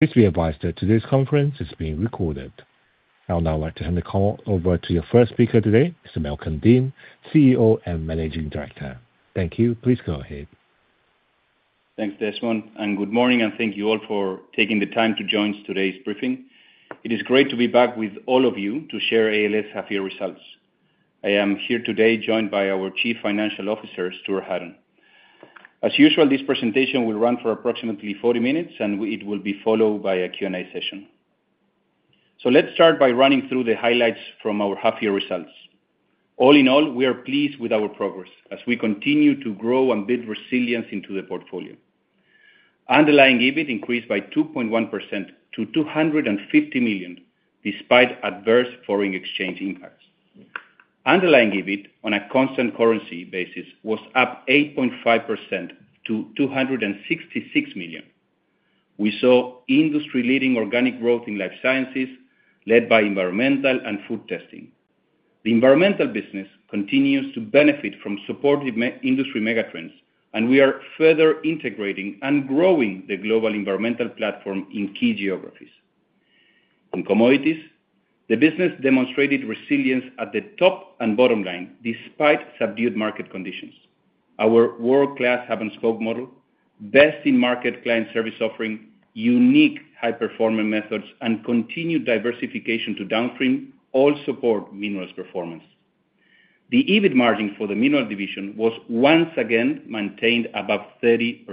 briefly advised that today's conference is being recorded. I would now like to hand the call over to your first speaker today, Mr. Malcolm Deane, CEO and Managing Director. Thank you. Please go ahead. Thanks, Desmond, and good morning, and thank you all for taking the time to join today's briefing. It is great to be back with all of you to share ALS half-year results. I am here today joined by our CFO, Stuart Haddon. As usual, this presentation will run for approximately 40 minutes, and it will be followed by a Q&A session, so let's start by running through the highlights from our half-year results. All in all, we are pleased with our progress as we continue to grow and build resilience into the portfolio. Underlying EBIT increased by 2.1% to 250 million despite adverse foreign exchange impacts. Underlying EBIT, on a constant currency basis, was up 8.5% to 266 million. We saw industry-leading organic growth in Life Sciences, led by Environmental and Food testing. The Environmental business continues to benefit from supportive industry megatrends, and we are further integrating and growing the global Environmental platform in key geographies. In commodities, the business demonstrated resilience at the top and bottom line despite subdued market conditions. Our world-class hub-and-spoke model, best-in-market client service offering, unique high-performance methods, and continued diversification to downstream all support Minerals' performance. The EBIT margin for the mineral division was once again maintained above 30%.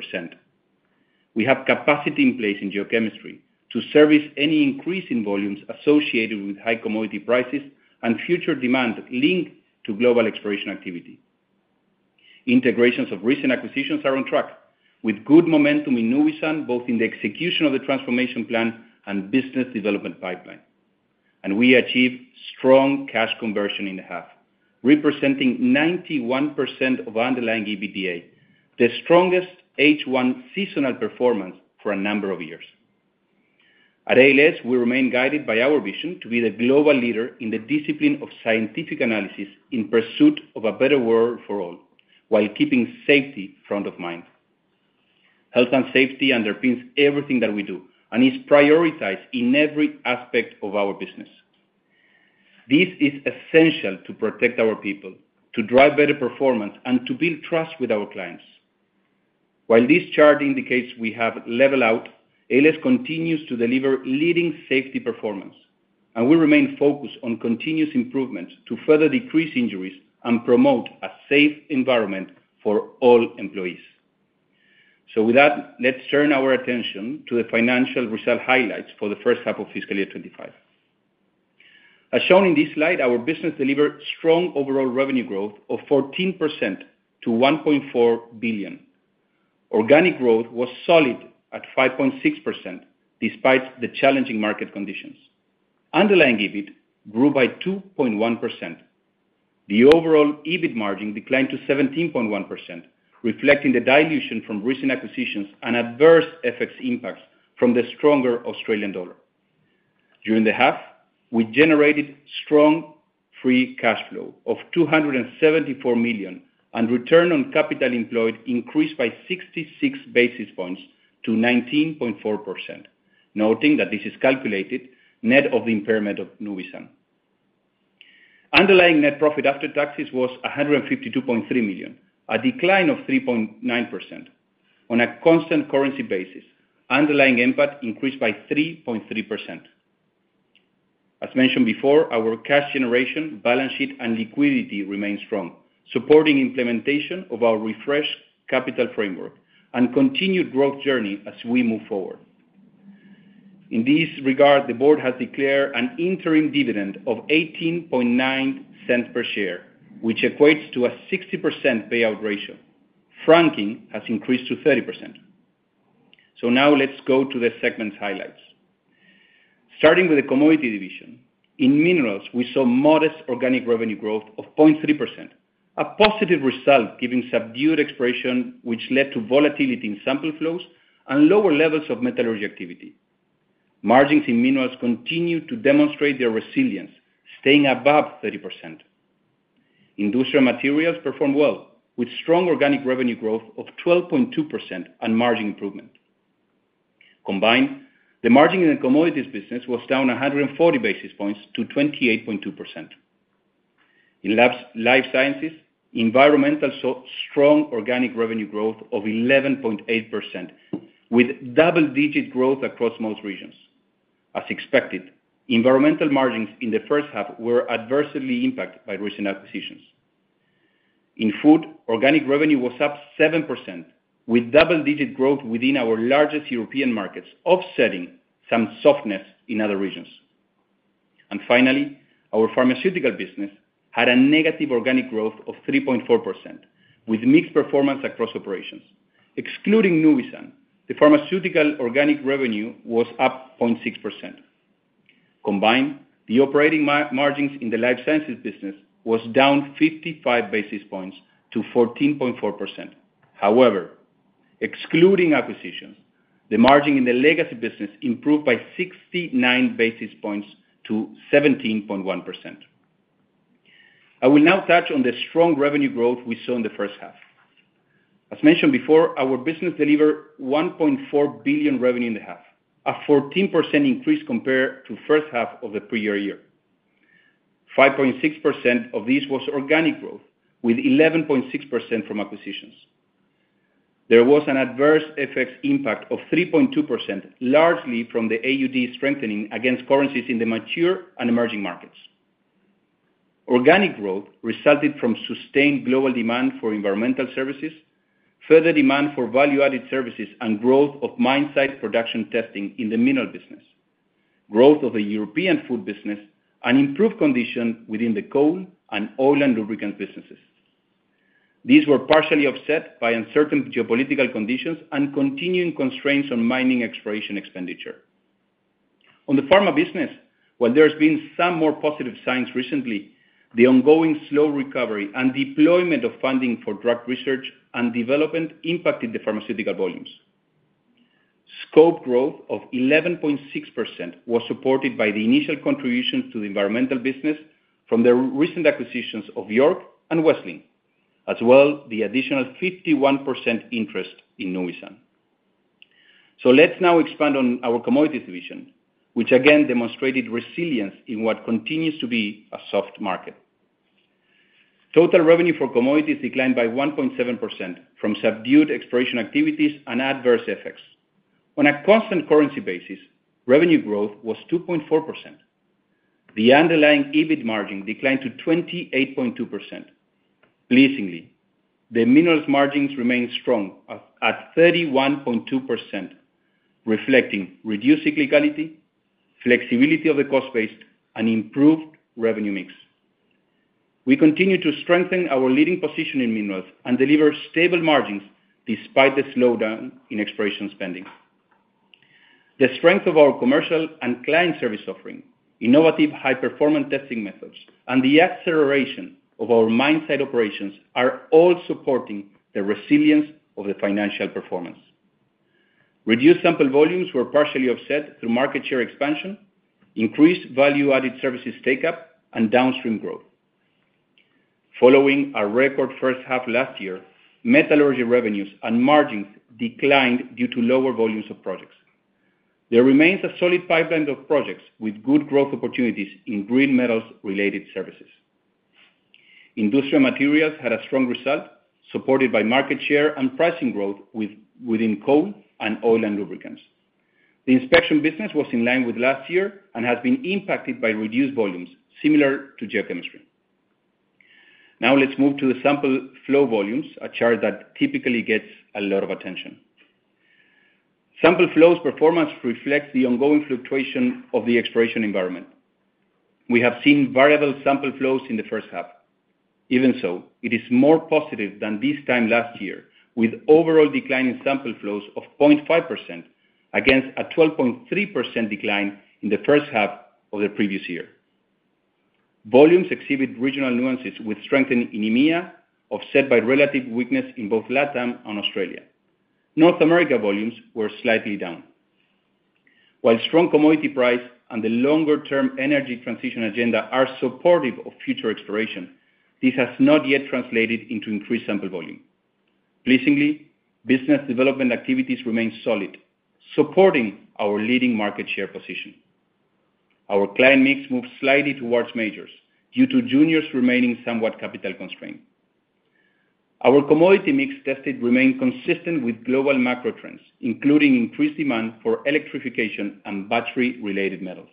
We have capacity in place in geochemistry to service any increase in volumes associated with high commodity prices and future demand linked to global exploration activity. Integrations of recent acquisitions are on track with good momentum in Nuvisan, both in the execution of the transformation plan and business development pipeline, and we achieved strong cash conversion in the half, representing 91% of underlying EBITDA, the strongest H1 seasonal performance for a number of years. At ALS, we remain guided by our vision to be the global leader in the discipline of scientific analysis in pursuit of a better world for all while keeping safety front of mind. Health and safety underpins everything that we do and is prioritized in every aspect of our business. This is essential to protect our people, to drive better performance, and to build trust with our clients. While this chart indicates we have leveled out, ALS continues to deliver leading safety performance, and we remain focused on continuous improvements to further decrease injuries and promote a safe environment for all employees. So with that, let's turn our attention to the financial result highlights for the first half of fiscal year 2025. As shown in this slide, our business delivered strong overall revenue growth of 14% to 1.4 billion. Organic growth was solid at 5.6% despite the challenging market conditions. Underlying EBIT grew by 2.1%. The overall EBIT margin declined to 17.1%, reflecting the dilution from recent acquisitions and adverse FX impacts from the stronger Australian dollar. During the half, we generated strong free cash flow of 274 million, and return on capital employed increased by 66 basis points to 19.4%, noting that this is calculated net of the impairment of Nuvisan. Underlying net profit after taxes was 152.3 million, a decline of 3.9%. On a constant currency basis, underlying NPAT increased by 3.3%. As mentioned before, our cash generation, balance sheet, and liquidity remain strong, supporting implementation of our refreshed capital framework and continued growth journey as we move forward. In this regard, the board has declared an interim dividend of 0.189 per share, which equates to a 60% payout ratio. Franking has increased to 30%. So now let's go to the segments' highlights. Starting with the commodity division, in Minerals, we saw modest organic revenue growth of 0.3%, a positive result given subdued exploration, which led to volatility in sample flows and lower levels of metallurgy activity. Margins in Minerals continue to demonstrate their resilience, staying above 30%. Industrial Materials performed well, with strong organic revenue growth of 12.2% and margin improvement. Combined, the margin in the commodities business was down 140 basis points to 28.2%. In Life Sciences, Environmental saw strong organic revenue growth of 11.8%, with double-digit growth across most regions. As expected, Environmental margins in the first half were adversely impacted by recent acquisitions. In food, organic revenue was up 7%, with double-digit growth within our largest European markets, offsetting some softness in other regions. And finally, our Pharmaceutical business had a negative organic growth of 3.4%, with mixed performance across operations. Excluding Nuvisan, the Pharmaceutical organic revenue was up 0.6%. Combined, the operating margins in the Life Sciences business were down 55 basis points to 14.4%. However, excluding acquisitions, the margin in the legacy business improved by 69 basis points to 17.1%. I will now touch on the strong revenue growth we saw in the first half. As mentioned before, our business delivered 1.4 billion revenue in the half, a 14% increase compared to the first half of the previous year. 5.6% of this was organic growth, with 11.6% from acquisitions. There was an adverse FX impact of 3.2%, largely from the AUD strengthening against currencies in the mature and emerging markets. Organic growth resulted from sustained global demand for Environmental services, further demand for value-added services, and growth of mine-site production testing in the mineral business, growth of the European Food business, and improved conditions within the coal and oil and lubricants businesses. These were partially offset by uncertain geopolitical conditions and continuing constraints on mining exploration expenditure. On the pharma business, while there have been some more positive signs recently, the ongoing slow recovery and deployment of funding for drug research and development impacted the Pharmaceutical volumes. Scope growth of 11.6% was supported by the initial contributions to the Environmental business from the recent acquisitions of York and Wessling, as well as the additional 51% interest in Nuvisan. So let's now expand on our commodities division, which again demonstrated resilience in what continues to be a soft market. Total revenue for commodities declined by 1.7% from subdued exploration activities and adverse FX. On a constant currency basis, revenue growth was 2.4%. The underlying EBIT margin declined to 28.2%. Pleasingly, the Minerals' margins remained strong at 31.2%, reflecting reduced cyclicality, flexibility of the cost base, and improved revenue mix. We continue to strengthen our leading position in Minerals and deliver stable margins despite the slowdown in exploration spending. The strength of our commercial and client service offering, innovative high-performance testing methods, and the acceleration of our mine-site operations are all supporting the resilience of the financial performance. Reduced sample volumes were partially offset through market share expansion, increased value-added services take-up, and downstream growth. Following a record first half last year, metallurgy revenues and margins declined due to lower volumes of projects. There remains a solid pipeline of projects with good growth opportunities in green metals-related services. Industrial materials had a strong result, supported by market share and pricing growth within coal and oil and lubricants. The inspection business was in line with last year and has been impacted by reduced volumes, similar to geochemistry. Now let's move to the sample flow volumes, a chart that typically gets a lot of attention. Sample flows' performance reflects the ongoing fluctuation of the exploration environment. We have seen variable sample flows in the first half. Even so, it is more positive than this time last year, with overall declining sample flows of 0.5% against a 12.3% decline in the first half of the previous year. Volumes exhibit regional nuances with strength in EMEA, offset by relative weakness in both LATAM and Australia. North America volumes were slightly down. While strong commodity price and the longer-term energy transition agenda are supportive of future exploration, this has not yet translated into increased sample volume. Pleasingly, business development activities remain solid, supporting our leading market share position. Our client mix moved slightly towards majors due to juniors remaining somewhat capital constrained. Our commodity mix tested remained consistent with global macro trends, including increased demand for electrification and battery-related metals.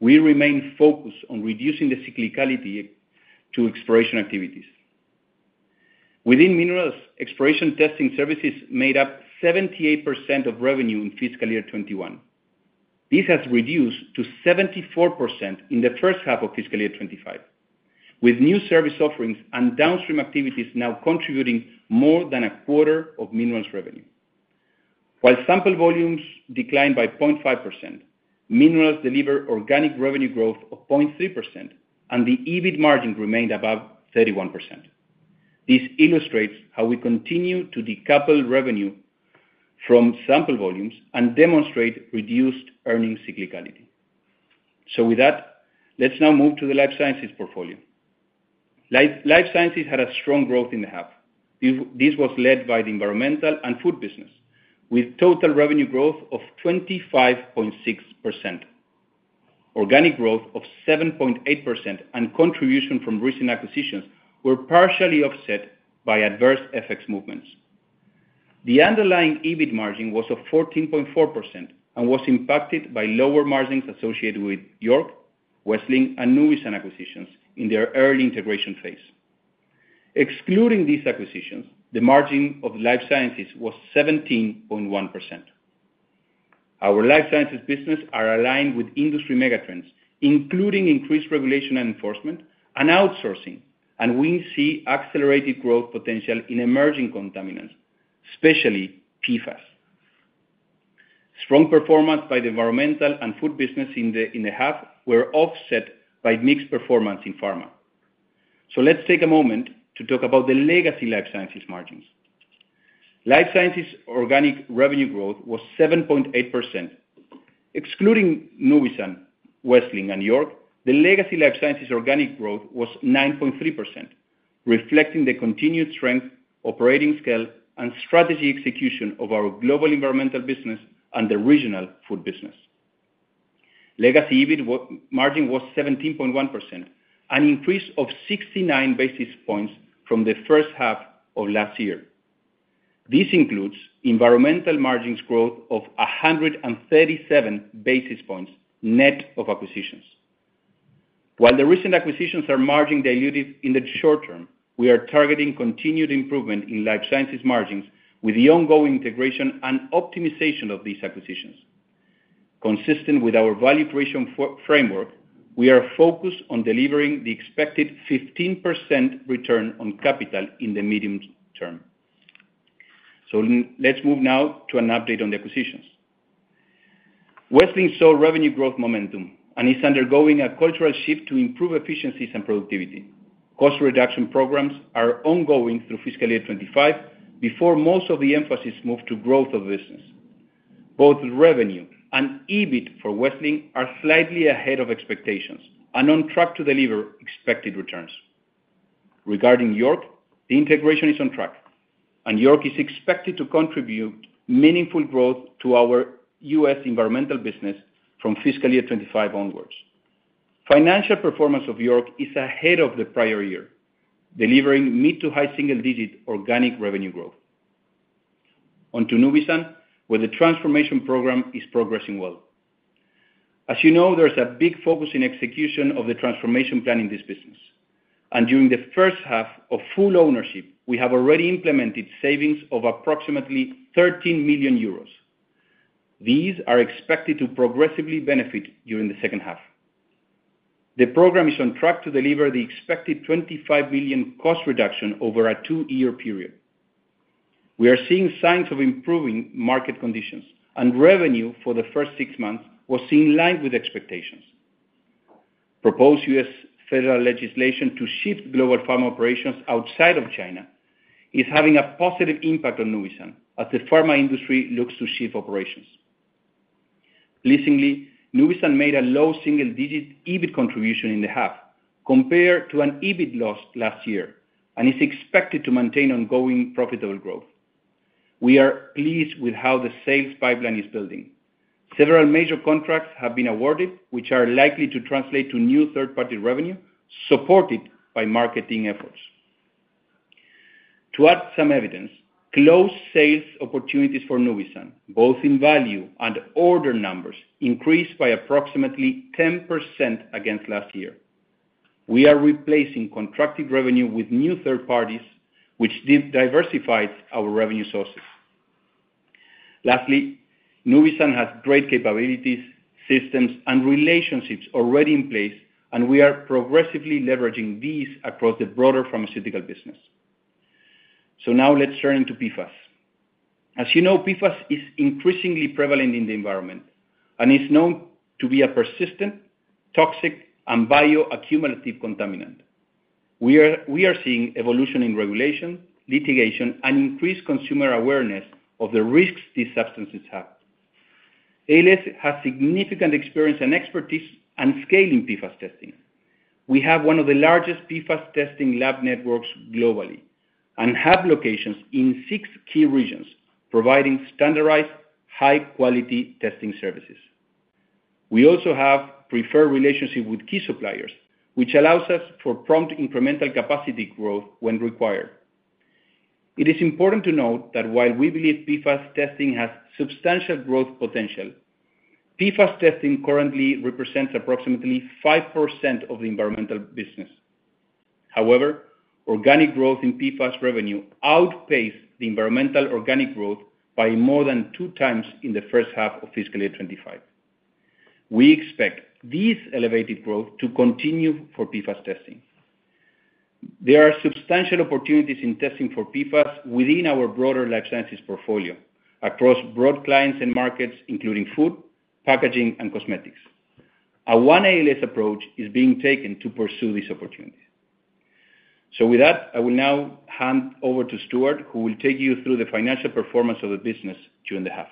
We remain focused on reducing the cyclicality to exploration activities. Within Minerals, exploration testing services made up 78% of revenue in fiscal year 2021. This has reduced to 74% in the first half of fiscal year 2025, with new service offerings and downstream activities now contributing more than a quarter of Minerals' revenue. While sample volumes declined by 0.5%, Minerals delivered organic revenue growth of 0.3%, and the EBIT margin remained above 31%. This illustrates how we continue to decouple revenue from sample volumes and demonstrate reduced earnings cyclicality. So with that, let's now move to the Life Sciences portfolio. Life Sciences had a strong growth in the half. This was led by the Environmental and food business, with total revenue growth of 25.6%. Organic growth of 7.8% and contribution from recent acquisitions were partially offset by adverse FX movements. The underlying EBIT margin was 14.4% and was impacted by lower margins associated with York, Wessling, and Nuvisan acquisitions in their early integration phase. Excluding these acquisitions, the margin of Life Sciences was 17.1%. Our Life Sciences business is aligned with industry megatrends, including increased regulation and enforcement and outsourcing, and we see accelerated growth potential in emerging contaminants, especially PFAS. Strong performance by the Environmental and Food business in the half was offset by mixed performance in pharma. So let's take a moment to talk about the legacy Life Sciences margins. Life Sciences' organic revenue growth was 7.8%. Excluding Nuvisan, Wessling, and York, the legacy Life Sciences' organic growth was 9.3%, reflecting the continued strength, operating scale, and strategy execution of our global Environmental business and the regional Food business. Legacy EBIT margin was 17.1%, an increase of 69 basis points from the first half of last year. This includes Environmental margins' growth of 137 basis points net of acquisitions. While the recent acquisitions are margin diluted in the short term, we are targeting continued improvement in Life Sciences margins with the ongoing integration and optimization of these acquisitions. Consistent with our value creation framework, we are focused on delivering the expected 15% return on capital in the medium term. So let's move now to an update on the acquisitions. Wessling saw revenue growth momentum, and is undergoing a cultural shift to improve efficiencies and productivity. Cost reduction programs are ongoing through fiscal year 2025 before most of the emphasis moved to growth of the business. Both revenue and EBIT for Wessling are slightly ahead of expectations and on track to deliver expected returns. Regarding York, the integration is on track, and York is expected to contribute meaningful growth to our U.S. Environmental business from fiscal year 2025 onwards. Financial performance of York is ahead of the prior year, delivering mid to high single-digit organic revenue growth. Onto Nuvisan, where the transformation program is progressing well. As you know, there's a big focus in execution of the transformation plan in this business. And during the first half of full ownership, we have already implemented savings of approximately 13 million euros. These are expected to progressively benefit during the second half. The program is on track to deliver the expected 25 million cost reduction over a two-year period. We are seeing signs of improving market conditions, and revenue for the first six months was in line with expectations. Proposed U.S. federal legislation to shift global pharma operations outside of China is having a positive impact on Nuvisan as the pharma industry looks to shift operations. Pleasingly, Nuvisan made a low single-digit EBIT contribution in the half compared to an EBIT loss last year and is expected to maintain ongoing profitable growth. We are pleased with how the sales pipeline is building. Several major contracts have been awarded, which are likely to translate to new third-party revenue supported by marketing efforts. To add some evidence, closed sales opportunities for Nuvisan, both in value and order numbers, increased by approximately 10% against last year. We are replacing contracted revenue with new third parties, which diversifies our revenue sources. Lastly, Nuvisan has great capabilities, systems, and relationships already in place, and we are progressively leveraging these across the broader Pharmaceutical business. So now let's turn into PFAS. As you know, PFAS is increasingly prevalent in the environment and is known to be a persistent, toxic, and bioaccumulative contaminant. We are seeing evolution in regulation, litigation, and increased consumer awareness of the risks these substances have. ALS has significant experience and expertise in scaling PFAS testing. We have one of the largest PFAS testing lab networks globally and have locations in six key regions, providing standardized high-quality testing services. We also have a preferred relationship with key suppliers, which allows us for prompt incremental capacity growth when required. It is important to note that while we believe PFAS testing has substantial growth potential, PFAS testing currently represents approximately 5% of the Environmental business. However, organic growth in PFAS revenue outpaces the Environmental organic growth by more than two times in the first half of fiscal year 2025. We expect this elevated growth to continue for PFAS testing. There are substantial opportunities in testing for PFAS within our broader Life Sciences portfolio across broad clients and markets, including food, packaging, and cosmetics. A One ALS approach is being taken to pursue these opportunities. So with that, I will now hand over to Stuart, who will take you through the financial performance of the business during the half.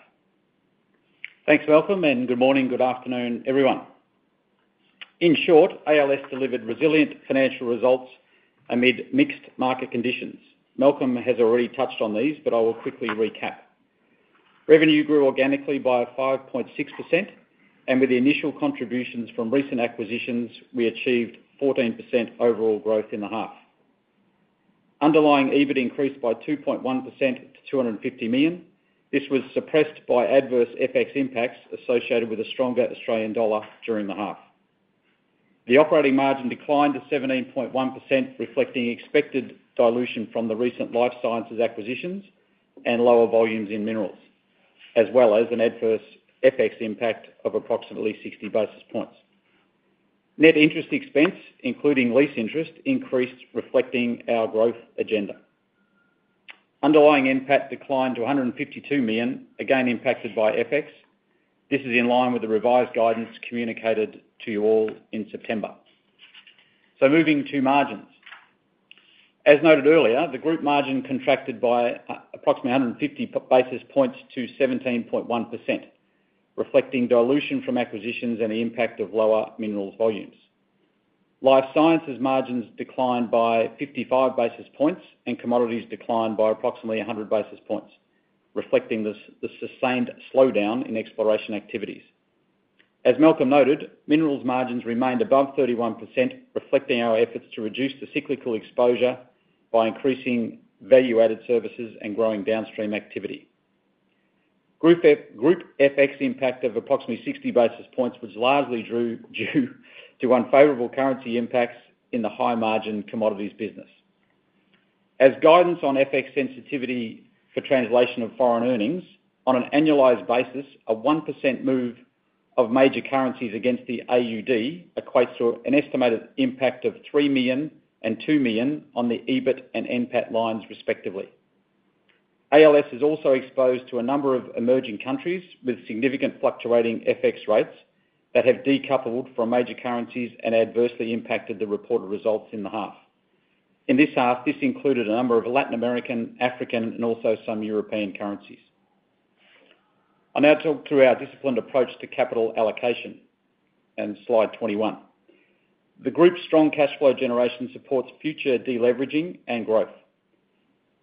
Thanks, Malcolm, and good morning, good afternoon, everyone. In short, ALS delivered resilient financial results amid mixed market conditions. Malcolm has already touched on these, but I will quickly recap. Revenue grew organically by 5.6%, and with the initial contributions from recent acquisitions, we achieved 14% overall growth in the half. Underlying EBIT increased by 2.1% to 250 million. This was suppressed by adverse FX impacts associated with a stronger Australian dollar during the half. The operating margin declined to 17.1%, reflecting expected dilution from the recent Life Sciences acquisitions and lower volumes in Minerals, as well as an adverse FX impact of approximately 60 basis points. Net interest expense, including lease interest, increased, reflecting our growth agenda. Underlying NPAT declined to 152 million, again impacted by FX. This is in line with the revised guidance communicated to you all in September. So moving to margins. As noted earlier, the group margin contracted by approximately 150 basis points to 17.1%, reflecting dilution from acquisitions and the impact of lower Minerals volumes. Life Sciences margins declined by 55 basis points, and commodities declined by approximately 100 basis points, reflecting the sustained slowdown in exploration activities. As Malcolm noted, Minerals margins remained above 31%, reflecting our efforts to reduce the cyclical exposure by increasing value-added services and growing downstream activity. Group FX impact of approximately 60 basis points was largely due to unfavorable currency impacts in the high-margin commodities business. As guidance on FX sensitivity for translation of foreign earnings, on an annualized basis, a 1% move of major currencies against the AUD equates to an estimated impact of 3 million and 2 million on the EBIT and NPAT lines, respectively. ALS is also exposed to a number of emerging countries with significant fluctuating FX rates that have decoupled from major currencies and adversely impacted the reported results in the half. In this half, this included a number of Latin American, African, and also some European currencies. I'll now talk through our disciplined approach to capital allocation and slide 21. The group's strong cash flow generation supports future deleveraging and growth.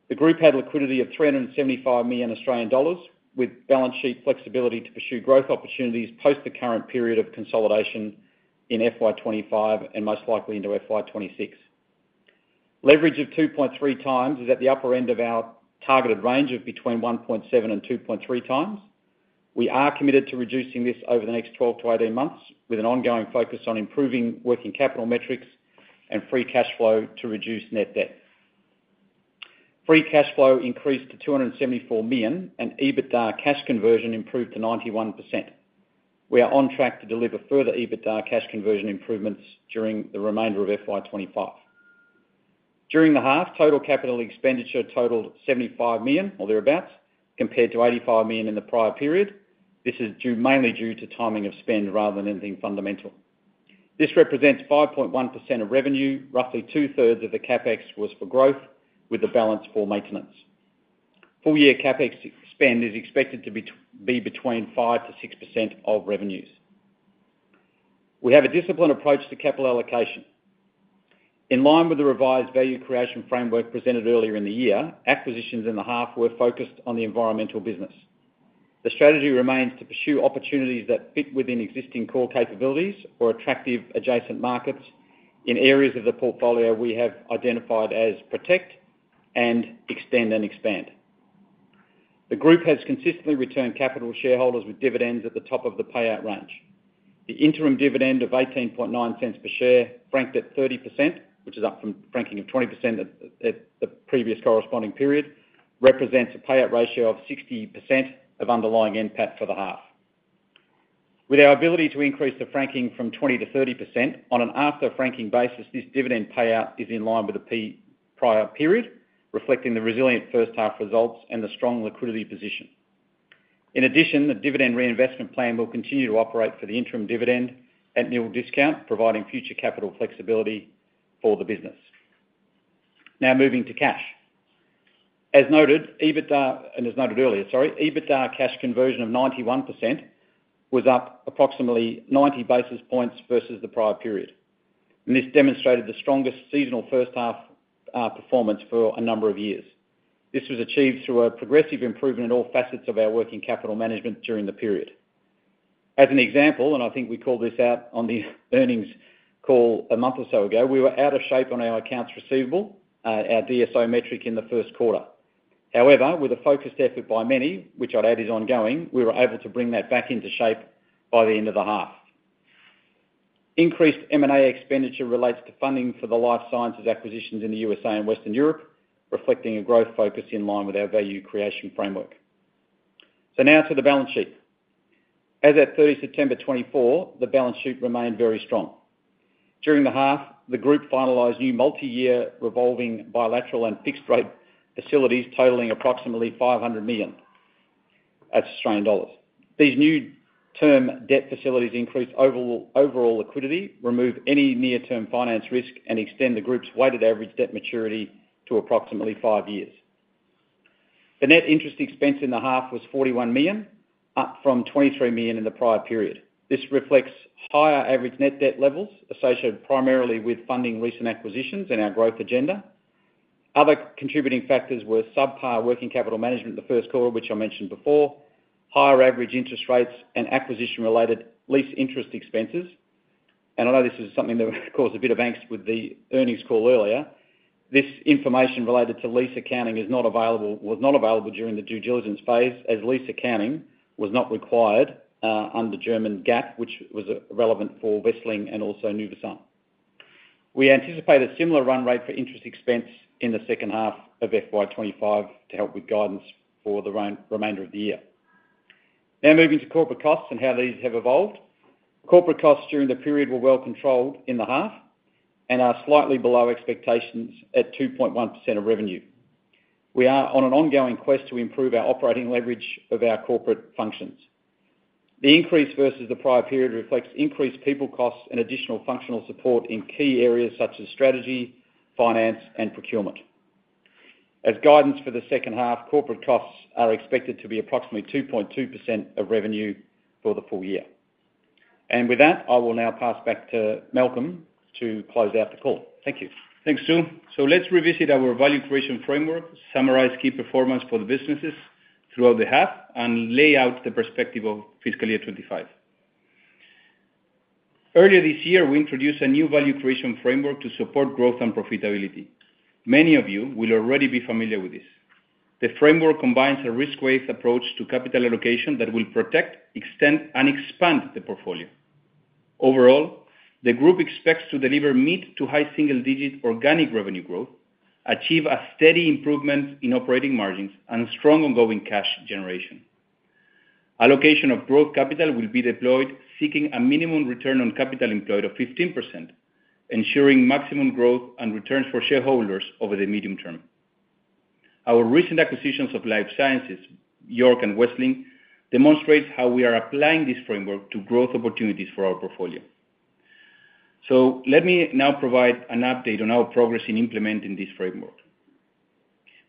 The group had liquidity of 375 million Australian dollars, with balance sheet flexibility to pursue growth opportunities post the current period of consolidation in FY25 and most likely into FY26. Leverage of 2.3 times is at the upper end of our targeted range of between 1.7 and 2.3 times. We are committed to reducing this over the next 12 to 18 months, with an ongoing focus on improving working capital metrics and free cash flow to reduce net debt. Free cash flow increased to 274 million, and EBITDA cash conversion improved to 91%. We are on track to deliver further EBITDA cash conversion improvements during the remainder of FY25. During the half, total capital expenditure totaled 75 million or thereabouts, compared to 85 million in the prior period. This is mainly due to timing of spend rather than anything fundamental. This represents 5.1% of revenue. Roughly two-thirds of the CapEx was for growth, with the balance for maintenance. Full-year CapEx spend is expected to be between 5%-6% of revenues. We have a disciplined approach to capital allocation. In line with the revised value creation framework presented earlier in the year, acquisitions in the half were focused on the Environmental business. The strategy remains to pursue opportunities that fit within existing core capabilities or attractive adjacent markets in areas of the portfolio we have identified as protect and extend and expand. The group has consistently returned capital shareholders with dividends at the top of the payout range. The interim dividend of 0.189 per share, franked at 30%, which is up from franking of 20% at the previous corresponding period, represents a payout ratio of 60% of underlying NPAT for the half. With our ability to increase the franking from 20%-30% on an after-franking basis, this dividend payout is in line with the prior period, reflecting the resilient first half results and the strong liquidity position. In addition, the dividend reinvestment plan will continue to operate for the interim dividend at nil discount, providing future capital flexibility for the business. Now moving to cash. As noted earlier, EBITDA cash conversion of 91% was up approximately 90 basis points versus the prior period, and this demonstrated the strongest seasonal first half performance for a number of years. This was achieved through a progressive improvement in all facets of our working capital management during the period. As an example, and I think we called this out on the earnings call a month or so ago, we were out of shape on our accounts receivable, our DSO metric in the first quarter. However, with a focused effort by many, which I'd add is ongoing, we were able to bring that back into shape by the end of the half. Increased M&A expenditure relates to funding for the Life Sciences acquisitions in the USA and Western Europe, reflecting a growth focus in line with our value creation framework. So now to the balance sheet. As at 30th September 2024, the balance sheet remained very strong. During the half, the group finalized new multi-year revolving bilateral and fixed-rate facilities totaling approximately 500 million Australian dollars. These new term debt facilities increased overall liquidity, removed any near-term finance risk, and extended the group's weighted average debt maturity to approximately five years. The net interest expense in the half was 41 million, up from 23 million in the prior period. This reflects higher average net debt levels associated primarily with funding recent acquisitions and our growth agenda. Other contributing factors were subpar working capital management in the first quarter, which I mentioned before, higher average interest rates, and acquisition-related lease interest expenses. I know this is something that caused a bit of angst with the earnings call earlier. This information related to lease accounting was not available during the due diligence phase as lease accounting was not required under German GAAP, which was relevant for Wessling and also Nuvisan. We anticipate a similar run rate for interest expense in the second half of FY25 to help with guidance for the remainder of the year. Now moving to corporate costs and how these have evolved. Corporate costs during the period were well controlled in the half and are slightly below expectations at 2.1% of revenue. We are on an ongoing quest to improve our operating leverage of our corporate functions. The increase versus the prior period reflects increased people costs and additional functional support in key areas such as strategy, finance, and procurement. As guidance for the second half, corporate costs are expected to be approximately 2.2% of revenue for the full year. And with that, I will now pass back to Malcolm to close out the call. Thank you. Thanks, Stuart. Let's revisit our value creation framework, summarize key performance for the businesses throughout the half, and lay out the perspective of fiscal year 2025. Earlier this year, we introduced a new value creation framework to support growth and profitability. Many of you will already be familiar with this. The framework combines a risk-based approach to capital allocation that will protect, extend, and expand the portfolio. Overall, the group expects to deliver mid to high single-digit organic revenue growth, achieve a steady improvement in operating margins, and strong ongoing cash generation. Allocation of growth capital will be deployed, seeking a minimum return on capital employed of 15%, ensuring maximum growth and returns for shareholders over the medium term. Our recent acquisitions of Life Sciences, York and Wessling, demonstrate how we are applying this framework to growth opportunities for our portfolio. So let me now provide an update on our progress in implementing this framework.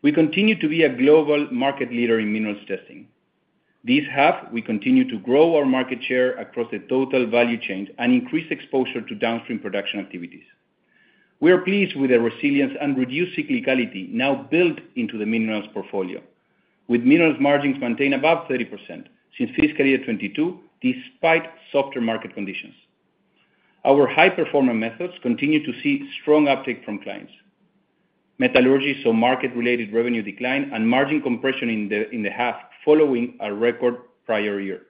We continue to be a global market leader in Minerals testing. This half, we continue to grow our market share across the total value chain and increase exposure to downstream production activities. We are pleased with the resilience and reduced cyclicality now built into the Minerals portfolio, with Minerals margins maintained above 30% since fiscal year 2022, despite softer market conditions. Our high-performance methods continue to see strong uptake from clients. Metallurgy saw market-related revenue decline and margin compression in the half following a record prior year.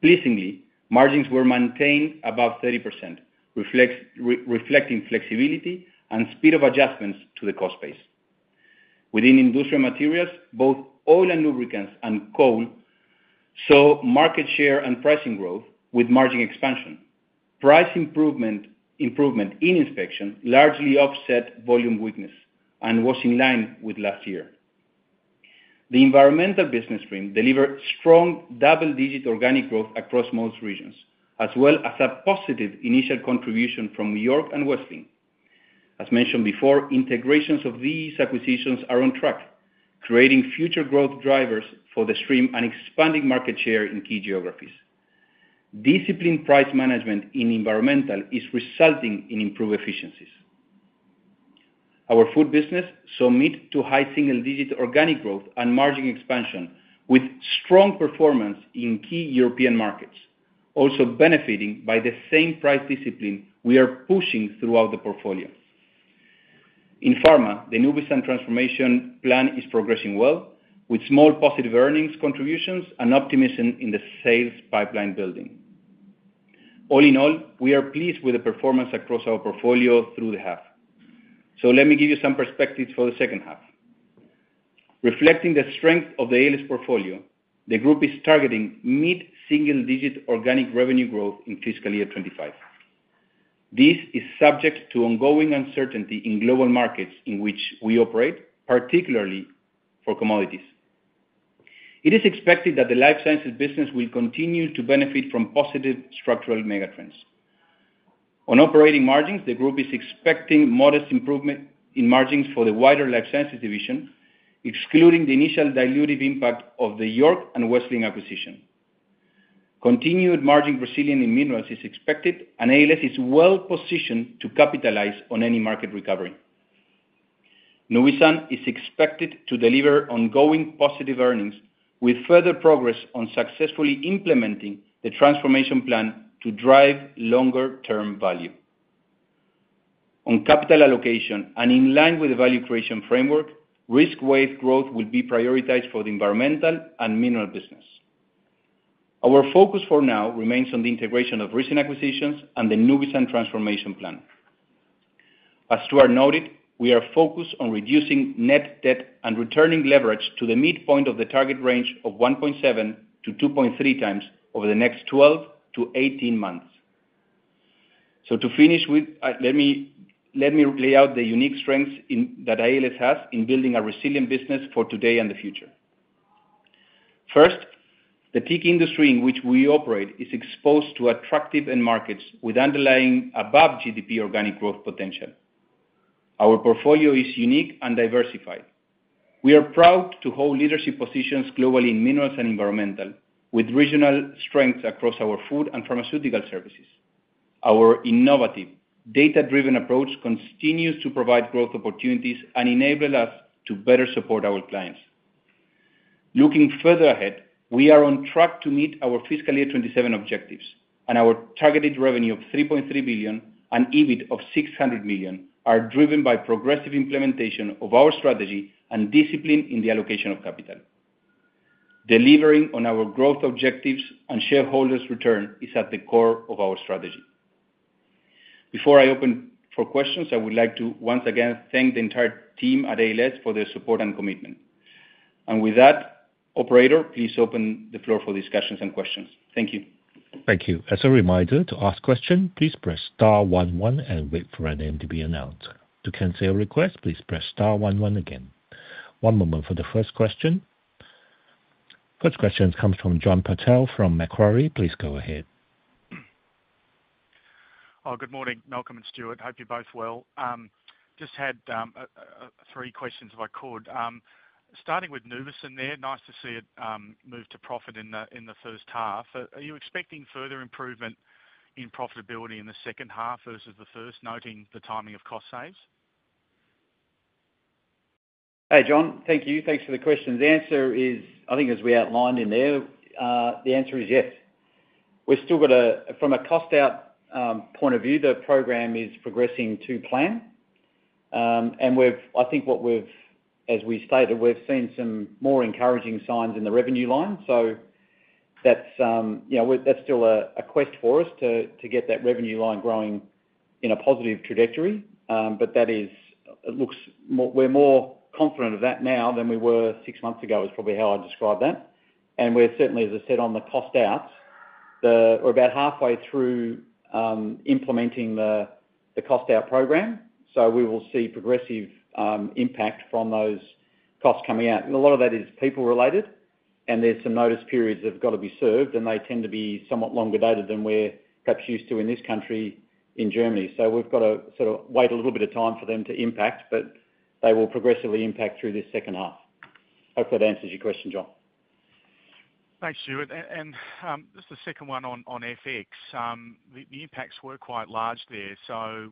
Pleasingly, margins were maintained above 30%, reflecting flexibility and speed of adjustments to the cost base. Within industrial materials, both oil and lubricants and coal saw market share and pricing growth with margin expansion. Price improvement in inspection largely offset volume weakness and was in line with last year. The Environmental business stream delivered strong double-digit organic growth across most regions, as well as a positive initial contribution from York and Wessling. As mentioned before, integrations of these acquisitions are on track, creating future growth drivers for the stream and expanding market share in key geographies. Disciplined price management in Environmental is resulting in improved efficiencies. Our food business saw mid to high single-digit organic growth and margin expansion with strong performance in key European markets, also benefiting by the same price discipline we are pushing throughout the portfolio. In pharma, the Nuvisan Transformation Plan is progressing well, with small positive earnings contributions and optimism in the sales pipeline building. All in all, we are pleased with the performance across our portfolio through the half. So let me give you some perspectives for the second half. Reflecting the strength of the ALS portfolio, the group is targeting mid-single-digit organic revenue growth in fiscal year 2025. This is subject to ongoing uncertainty in global markets in which we operate, particularly for commodities. It is expected that the Life Sciences business will continue to benefit from positive structural megatrends. On operating margins, the group is expecting modest improvement in margins for the wider Life Sciences division, excluding the initial diluted impact of the York and Wessling acquisition. Continued margin resilience in Minerals is expected, and ALS is well-positioned to capitalize on any market recovery. Nuvisan is expected to deliver ongoing positive earnings with further progress on successfully implementing the transformation plan to drive longer-term value. On capital allocation, and in line with the value creation framework, risk-based growth will be prioritized for the Environmental and Mineral business. Our focus for now remains on the integration of recent acquisitions and the Nuvisan transformation plan. As Stuart noted, we are focused on reducing net debt and returning leverage to the midpoint of the target range of 1.7-2.3 times over the next 12-18 months. To finish with, let me lay out the unique strengths that ALS has in building a resilient business for today and the future. First, the tech industry in which we operate is exposed to attractive end markets with underlying above-GDP organic growth potential. Our portfolio is unique and diversified. We are proud to hold leadership positions globally in Minerals and Environmental, with regional strengths across our Food and Pharmaceutical services. Our innovative, data-driven approach continues to provide growth opportunities and enables us to better support our clients. Looking further ahead, we are on track to meet our fiscal year 2027 objectives, and our targeted revenue of 3.3 billion and EBIT of 600 million are driven by progressive implementation of our strategy and discipline in the allocation of capital. Delivering on our growth objectives and shareholders' return is at the core of our strategy. Before I open for questions, I would like to once again thank the entire team at ALS for their support and commitment. And with that, Operator, please open the floor for discussions and questions. Thank you. Thank you. As a reminder, to ask a question, please press star 11 and wait for a name to be announced. To cancel your request, please press star 11 again. One moment for the first question. First question comes from John Purtell from Macquarie. Please go ahead. Good morning, Malcolm and Stuart. Hope you're both well. Just had three questions if I could. Starting with Nuvisan there, nice to see it move to profit in the first half. Are you expecting further improvement in profitability in the second half versus the first, noting the timing of cost saves? Hey, John. Thank you. Thanks for the questions. The answer is, I think as we outlined in there, the answer is yes. We've still got a, from a cost-out point of view, the program is progressing to plan. And I think what we've, as we stated, we've seen some more encouraging signs in the revenue line. So that's still a quest for us to get that revenue line growing in a positive trajectory. But that is, we're more confident of that now than we were six months ago, is probably how I'd describe that. And we're certainly, as I said, on the cost-out, we're about halfway through implementing the cost-out program. So we will see progressive impact from those costs coming out. A lot of that is people-related, and there's some notice periods that have got to be served, and they tend to be somewhat longer dated than we're perhaps used to in this country, in Germany. So we've got to sort of wait a little bit of time for them to impact, but they will progressively impact through this second half. Hopefully, that answers your question, John. Thanks, Stuart. And just the second one on FX, the impacts were quite large there. So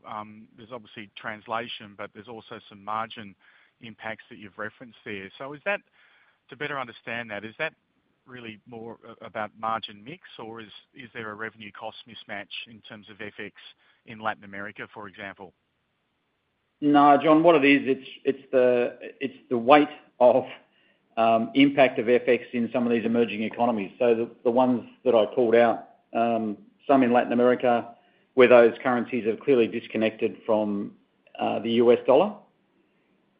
there's obviously translation, but there's also some margin impacts that you've referenced there. So to better understand that, is that really more about margin mix, or is there a revenue-cost mismatch in terms of FX in Latin America, for example? No, John, what it is, it's the weight of impact of FX in some of these emerging economies. So the ones that I called out, some in Latin America, where those currencies are clearly disconnected from the U.S. dollar.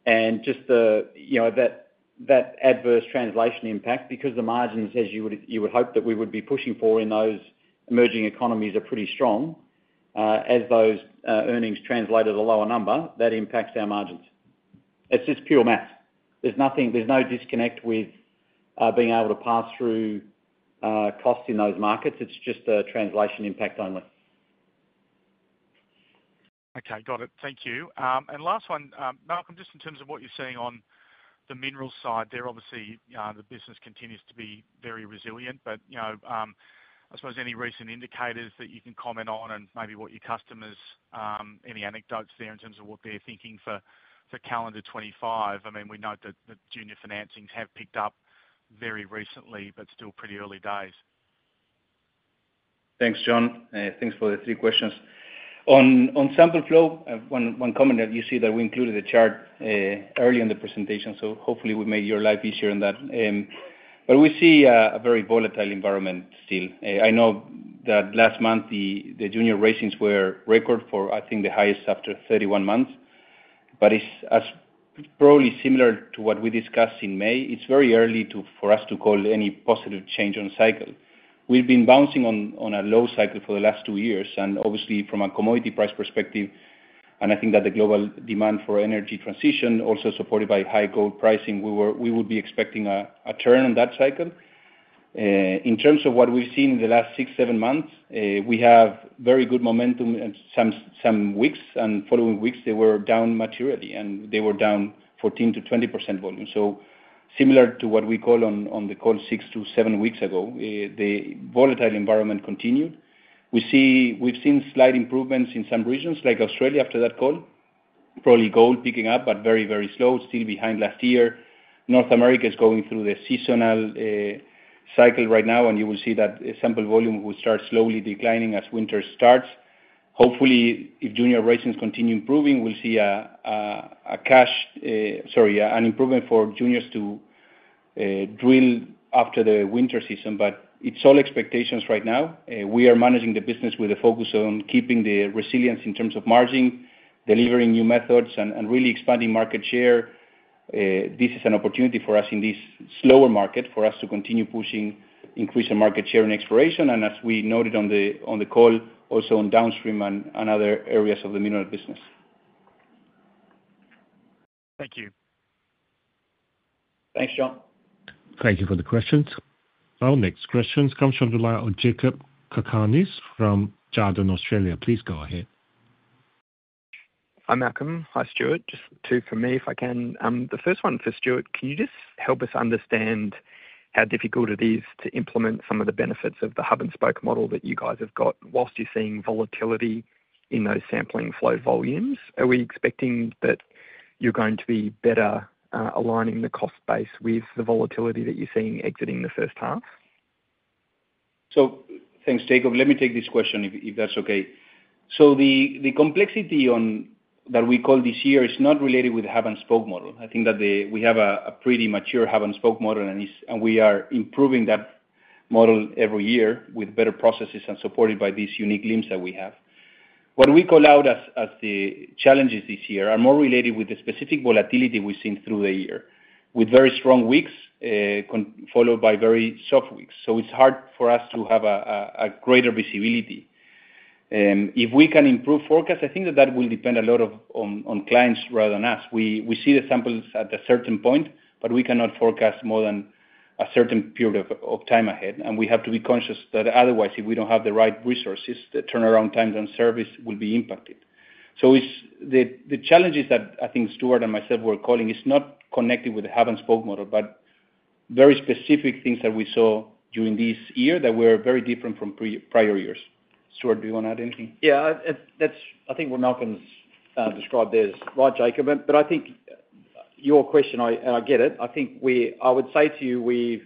And just that adverse translation impact, because the margins, as you would hope that we would be pushing for in those emerging economies, are pretty strong. As those earnings translate at a lower number, that impacts our margins. It's just pure math. There's no disconnect with being able to pass through costs in those markets. It's just a translation impact only. Okay, got it. Thank you. And last one, Malcolm, just in terms of what you're seeing on the mineral side, there obviously the business continues to be very resilient. But I suppose any recent indicators that you can comment on and maybe what your customers, any anecdotes there in terms of what they're thinking for calendar 2025? I mean, we note that the junior financings have picked up very recently, but still pretty early days. Thanks, John. Thanks for the three questions. On sample flow, one comment that you see that we included a chart early in the presentation, so hopefully we made your life easier on that. But we see a very volatile environment still. I know that last month the junior raisings were record for, I think, the highest after 31 months. But it's probably similar to what we discussed in May. It's very early for us to call any positive change on cycle. We've been bouncing on a low cycle for the last two years. And obviously, from a commodity price perspective, and I think that the global demand for energy transition, also supported by high gold pricing, we would be expecting a turn on that cycle. In terms of what we've seen in the last six, seven months, we have very good momentum in some weeks. And following weeks, they were down materially, and they were down 14%-20% volume. So similar to what we call on the call six to seven weeks ago, the volatile environment continued. We've seen slight improvements in some regions, like Australia after that call, probably gold picking up, but very, very slow, still behind last year. North America is going through the seasonal cycle right now, and you will see that sample volume will start slowly declining as winter starts. Hopefully, if junior raisings continue improving, we'll see a cash, sorry, an improvement for juniors to drill after the winter season. But it's all expectations right now. We are managing the business with a focus on keeping the resilience in terms of margin, delivering new methods, and really expanding market share. This is an opportunity for us in this slower market for us to continue pushing increasing market share and exploration. And as we noted on the call, also on downstream and other areas of the mineral business. Thank you. Thanks, John. Thank you for the questions. Our next questions come from Mr. Jakob Cakarnis from Jarden, Australia. Please go ahead. Hi, Malcolm. Hi, Stuart. Just two from me, if I can. The first one for Stuart. Can you just help us understand how difficult it is to implement some of the benefits of the hub-and-spoke model that you guys have got while you're seeing volatility in those sample flow volumes? Are we expecting that you're going to be better aligning the cost base with the volatility that you're seeing exiting the first half? So, thanks, Jakob. Let me take this question, if that's okay. So, the complexity that we call out this year is not related with the hub-and-spoke model. I think that we have a pretty mature hub-and-spoke model, and we are improving that model every year with better processes and supported by these unique LIMS that we have. What we call out as the challenges this year are more related with the specific volatility we've seen through the year, with very strong weeks followed by very soft weeks. So it's hard for us to have a greater visibility. If we can improve forecasts, I think that that will depend a lot on clients rather than us. We see the samples at a certain point, but we cannot forecast more than a certain period of time ahead. And we have to be conscious that otherwise, if we don't have the right resources, the turnaround times and service will be impacted. So the challenges that I think Stuart and myself were calling is not connected with the hub-and-spoke model, but very specific things that we saw during this year that were very different from prior years. Stuart, do you want to add anything? Yeah, I think what Malcolm's described there is right, Jakob. But I think your question, and I get it. I think I would say to you, we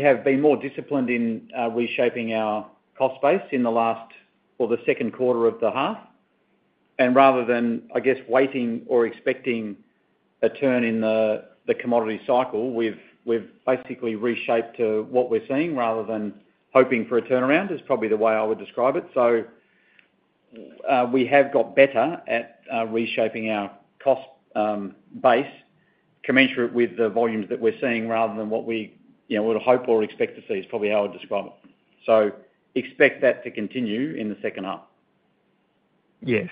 have been more disciplined in reshaping our cost base in the last or the second quarter of the half, and rather than, I guess, waiting or expecting a turn in the commodity cycle, we've basically reshaped to what we're seeing rather than hoping for a turnaround is probably the way I would describe it. We have got better at reshaping our cost base, commensurate with the volumes that we're seeing rather than what we would hope or expect to see is probably how I would describe it. Expect that to continue in the second half. Yeah.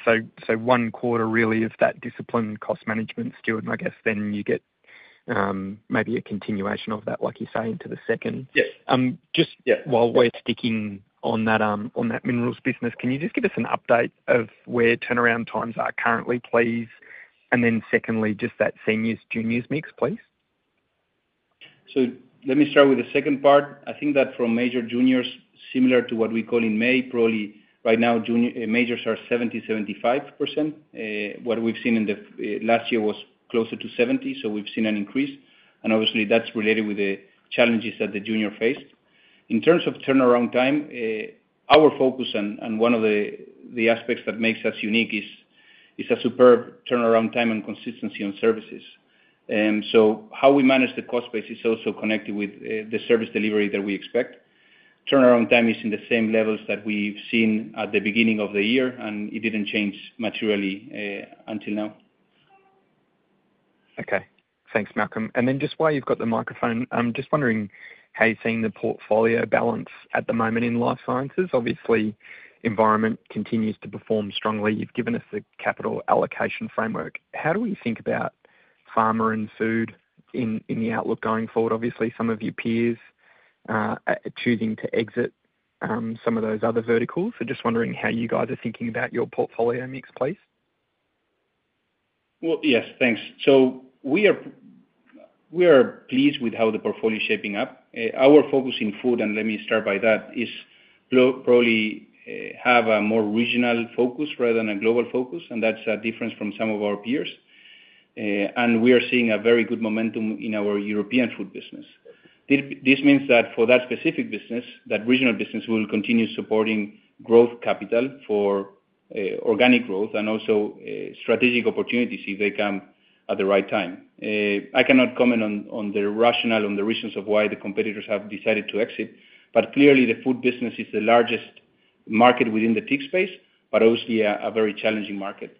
One quarter, really, of that disciplined cost management, Stuart, and I guess then you get maybe a continuation of that, like you say, into the second. Yes. Just while we're sticking on that Minerals business, can you just give us an update of where turnaround times are currently, please? And then secondly, just that seniors-juniors mix, please. So let me start with the second part. I think that for major juniors, similar to what we call in May, probably right now, majors are 70%-75%. What we've seen in the last year was closer to 70%, so we've seen an increase. And obviously, that's related with the challenges that the junior faced. In terms of turnaround time, our focus and one of the aspects that makes us unique is a superb turnaround time and consistency on services. So how we manage the cost base is also connected with the service delivery that we expect. Turnaround time is in the same levels that we've seen at the beginning of the year, and it didn't change materially until now. Okay. Thanks, Malcolm. And then just while you've got the microphone, I'm just wondering how you're seeing the portfolio balance at the moment in Life Sciences. Obviously, environment continues to perform strongly. You've given us the capital allocation framework. How do we think about pharma and food in the outlook going forward? Obviously, some of your peers are choosing to exit some of those other verticals. So just wondering how you guys are thinking about your portfolio mix, please. Well, yes, thanks. So we are pleased with how the portfolio is shaping up. Our focus in food, and let me start by that, is probably have a more regional focus rather than a global focus. And that's a difference from some of our peers. We are seeing a very good momentum in our European food business. This means that for that specific business, that regional business will continue supporting growth capital for organic growth and also strategic opportunities if they come at the right time. I cannot comment on the rationale on the reasons of why the competitors have decided to exit. But clearly, the food business is the largest market within the testing space, but obviously a very challenging market.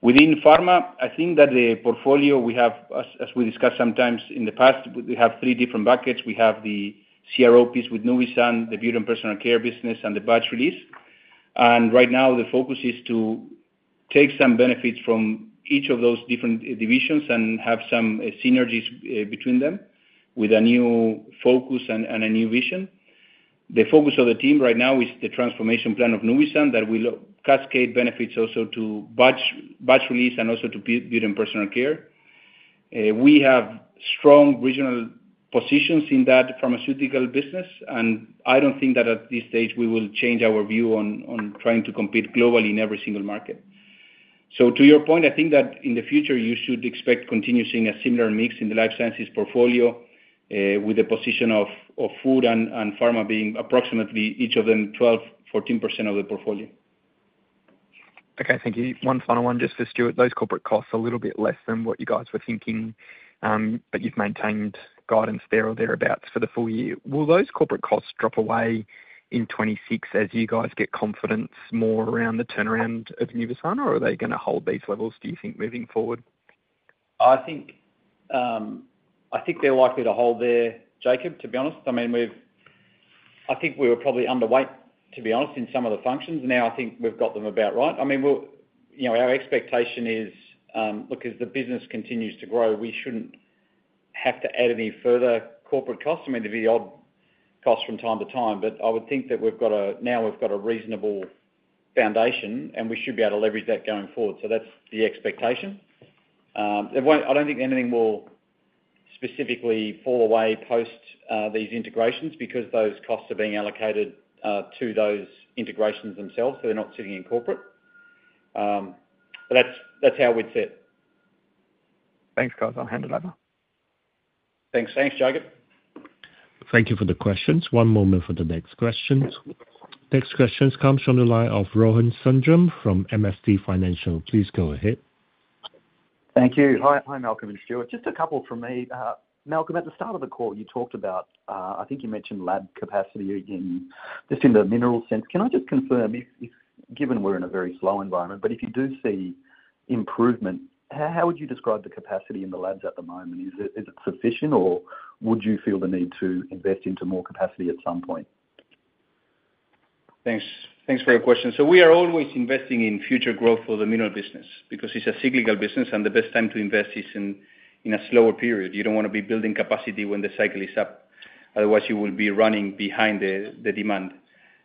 Within pharma, I think that the portfolio we have, as we discussed sometimes in the past, we have three different buckets. We have the CRO piece with Nuvisan, the Beauty and Personal Care business, and the batch release. Right now, the focus is to take some benefits from each of those different divisions and have some synergies between them with a new focus and a new vision. The focus of the team right now is the transformation plan of Nuvisan that will cascade benefits also to batch release and also to Beauty and Personal Care. We have strong regional positions in that Pharmaceutical business, and I don't think that at this stage we will change our view on trying to compete globally in every single market. So to your point, I think that in the future, you should expect continuing a similar mix in the Life Sciences portfolio with the position of food and pharma being approximately each of them 12%-14% of the portfolio. Okay, thank you. One final one just for Stuart. Those corporate costs are a little bit less than what you guys were thinking, but you've maintained guidance there or thereabouts for the full year. Will those corporate costs drop away in 2026 as you guys get confidence more around the turnaround of Nuvisan, or are they going to hold these levels, do you think, moving forward? I think they're likely to hold there, Jakob, to be honest. I mean, I think we were probably underweight, to be honest, in some of the functions. Now, I think we've got them about right. I mean, our expectation is, look, as the business continues to grow, we shouldn't have to add any further corporate costs. I mean, there'd be odd costs from time to time, but I would think that now we've got a reasonable foundation, and we should be able to leverage that going forward. So that's the expectation. I don't think anything will specifically fall away post these integrations because those costs are being allocated to those integrations themselves, so they're not sitting in corporate. But that's how we'd see it. Thanks, guys. I'll hand it over. Thanks. Thanks, Jakob. Thank you for the questions. One moment for the next questions. Next questions come from the line of Rohan Sundram from MST Financial. Please go ahead. Thank you. Hi, Malcolm and Stuart. Just a couple from me. Malcolm, at the start of the call, you talked about, I think you mentioned lab capacity just in the mineral sense. Can I just confirm, given we're in a very slow environment, but if you do see improvement, how would you describe the capacity in the labs at the moment? Is it sufficient, or would you feel the need to invest into more capacity at some point? Thanks for your question. We are always investing in future growth for the mineral business because it's a cyclical business, and the best time to invest is in a slower period. You don't want to be building capacity when the cycle is up. Otherwise, you will be running behind the demand.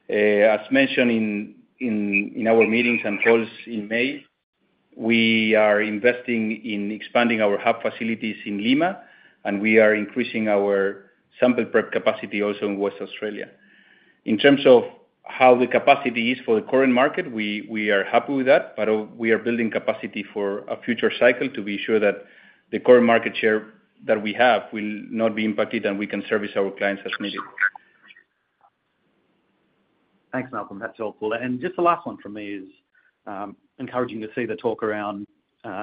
As mentioned in our meetings and calls in May, we are investing in expanding our hub facilities in Lima, and we are increasing our sample prep capacity also in Western Australia. In terms of how the capacity is for the current market, we are happy with that, but we are building capacity for a future cycle to be sure that the current market share that we have will not be impacted and we can service our clients as needed. Thanks, Malcolm. That's helpful. And just the last one for me is encouraging to see the talk around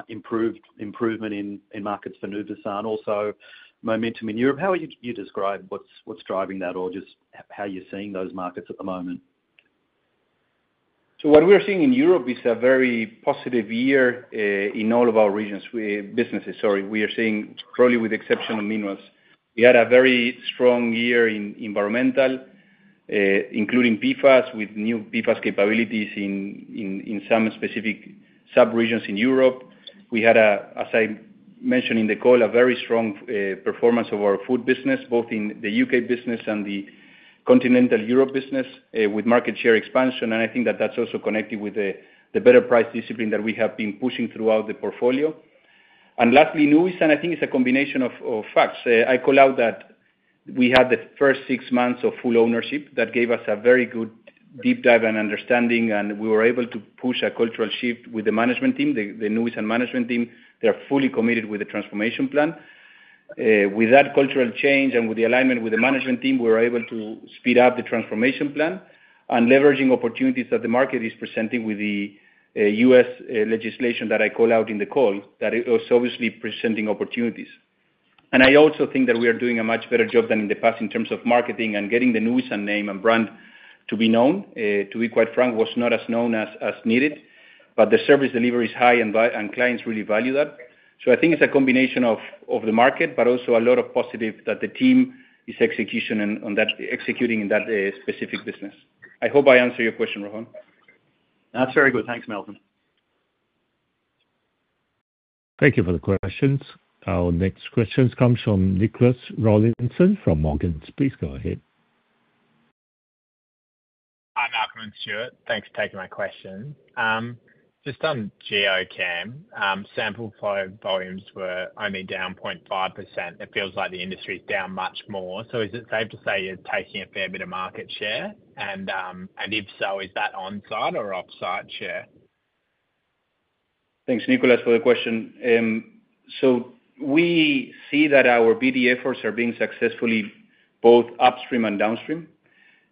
improvement in markets for Nuvisan, also momentum in Europe. How would you describe what's driving that, or just how you're seeing those markets at the moment? So what we're seeing in Europe is a very positive year in all of our businesses. Sorry, we are seeing, probably with the exception of Minerals, we had a very strong year in Environmental, including PFAS, with new PFAS capabilities in some specific subregions in Europe. We had, as I mentioned in the call, a very strong performance of our food business, both in the U.K. business and the Continental Europe business, with market share expansion. And I think that that's also connected with the better price discipline that we have been pushing throughout the portfolio. And lastly, Nuvisan, I think, is a combination of facts. I call out that we had the first six months of full ownership that gave us a very good deep dive and understanding, and we were able to push a cultural shift with the management team, the Nuvisan management team. They are fully committed with the transformation plan. With that cultural change and with the alignment with the management team, we were able to speed up the transformation plan and leveraging opportunities that the market is presenting with the U.S. legislation that I call out in the call, that is obviously presenting opportunities. And I also think that we are doing a much better job than in the past in terms of marketing and getting the Nuvisan name and brand to be known. To be quite frank, it was not as known as needed, but the service delivery is high, and clients really value that. So I think it's a combination of the market, but also a lot of positive that the team is executing in that specific business. I hope I answered your question, Rohan. That's very good. Thanks, Malcolm. Thank you for the questions. Our next questions come from Nicholas Rawlinson from Morgans. Please go ahead. Hi, Malcolm and Stuart. Thanks for taking my question. Just on Geochem, sample flow volumes were only down 0.5%. It feels like the industry is down much more. So is it safe to say you're taking a fair bit of market share? And if so, is that onsite or offsite share? Thanks, Nicholas, for the question. So we see that our BD efforts are being successfully both upstream and downstream.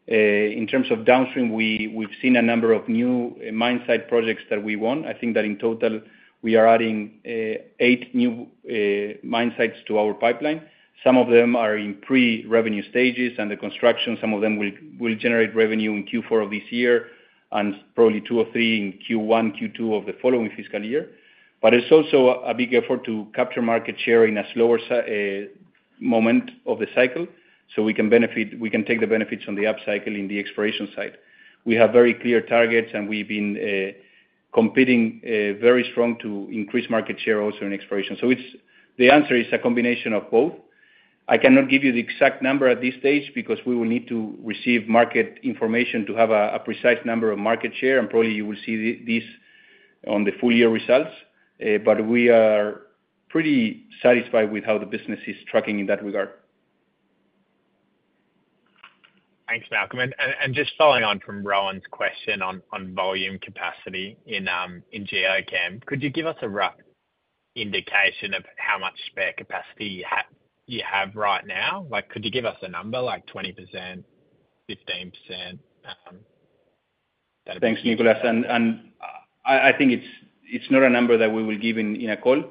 In terms of downstream, we've seen a number of new mine site projects that we want. I think that in total, we are adding eight new mine sites to our pipeline. Some of them are in pre-revenue stages and the construction. Some of them will generate revenue in Q4 of this year and probably two or three in Q1, Q2 of the following fiscal year, but it's also a big effort to capture market share in a slower moment of the cycle so we can take the benefits on the upcycle in the exploration side. We have very clear targets, and we've been competing very strong to increase market share also in exploration, so the answer is a combination of both. I cannot give you the exact number at this stage because we will need to receive market information to have a precise number of market share, and probably you will see this on the full year results. But we are pretty satisfied with how the business is tracking in that regard. Thanks, Malcolm. And just following on from Rohan's question on volume capacity in Geochem, could you give us a rough indication of how much spare capacity you have right now? Could you give us a number, like 20%, 15%? Thanks, Nicholas. And I think it's not a number that we will give in a call.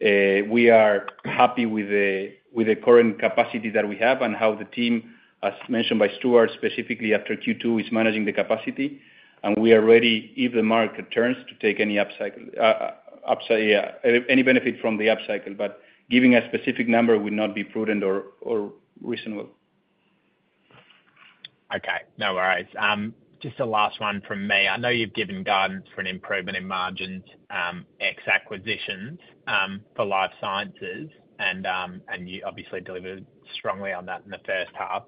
We are happy with the current capacity that we have and how the team, as mentioned by Stuart, specifically after Q2, is managing the capacity. And we are ready, if the market turns, to take any benefit from the upcycle. But giving a specific number would not be prudent or reasonable. Okay. No worries. Just a last one from me. I know you've given guidance for an improvement in margins, ex-acquisitions for Life Sciences. You obviously delivered strongly on that in the first half.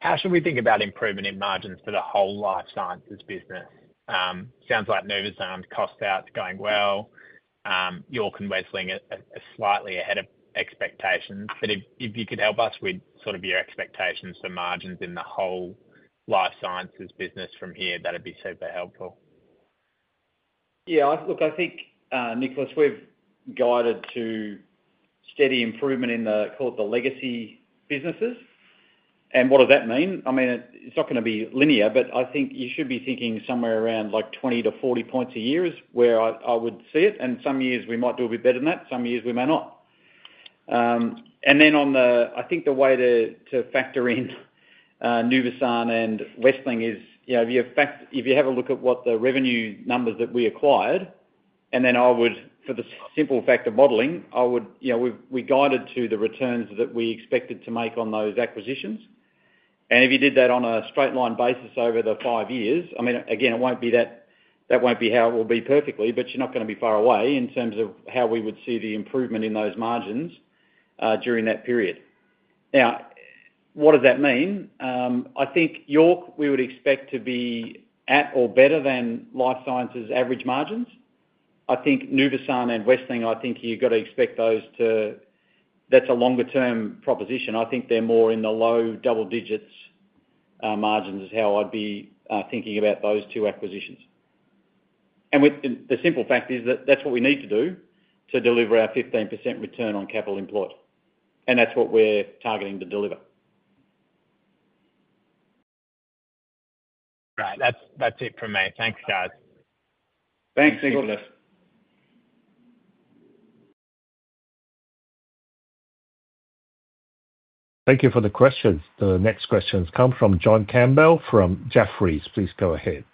How should we think about improvement in margins for the whole Life Sciences business? Sounds like Nuvisan, cost out's going well. York and Wessling are slightly ahead of expectations. If you could help us with sort of your expectations for margins in the whole Life Sciences business from here, that would be super helpful. Yeah. Look, I think, Nicholas, we've guided to steady improvement in the corporate legacy businesses. What does that mean? I mean, it's not going to be linear, but I think you should be thinking somewhere around 20 to 40 points a year is where I would see it. Some years we might do a bit better than that. Some years we may not. Then I think the way to factor in Nuvisan and Wessling is if you have a look at what the revenue numbers that we acquired, and then for the simple fact of modeling, we guided to the returns that we expected to make on those acquisitions. And if you did that on a straight line basis over the five years, I mean, again, that won't be how it will be perfectly, but you're not going to be far away in terms of how we would see the improvement in those margins during that period. Now, what does that mean? I think York we would expect to be at or better than Life Sciences' average margins. I think Nuvisan and Wessling, I think you've got to expect those to - that's a longer-term proposition. I think they're more in the low double digits margins is how I'd be thinking about those two acquisitions. And the simple fact is that that's what we need to do to deliver our 15% return on capital employed. And that's what we're targeting to deliver. Right. That's it from me. Thanks, guys. Thanks, Nicholas. Thank you for the questions. The next questions come from John Campbell from Jefferies. Please go ahead.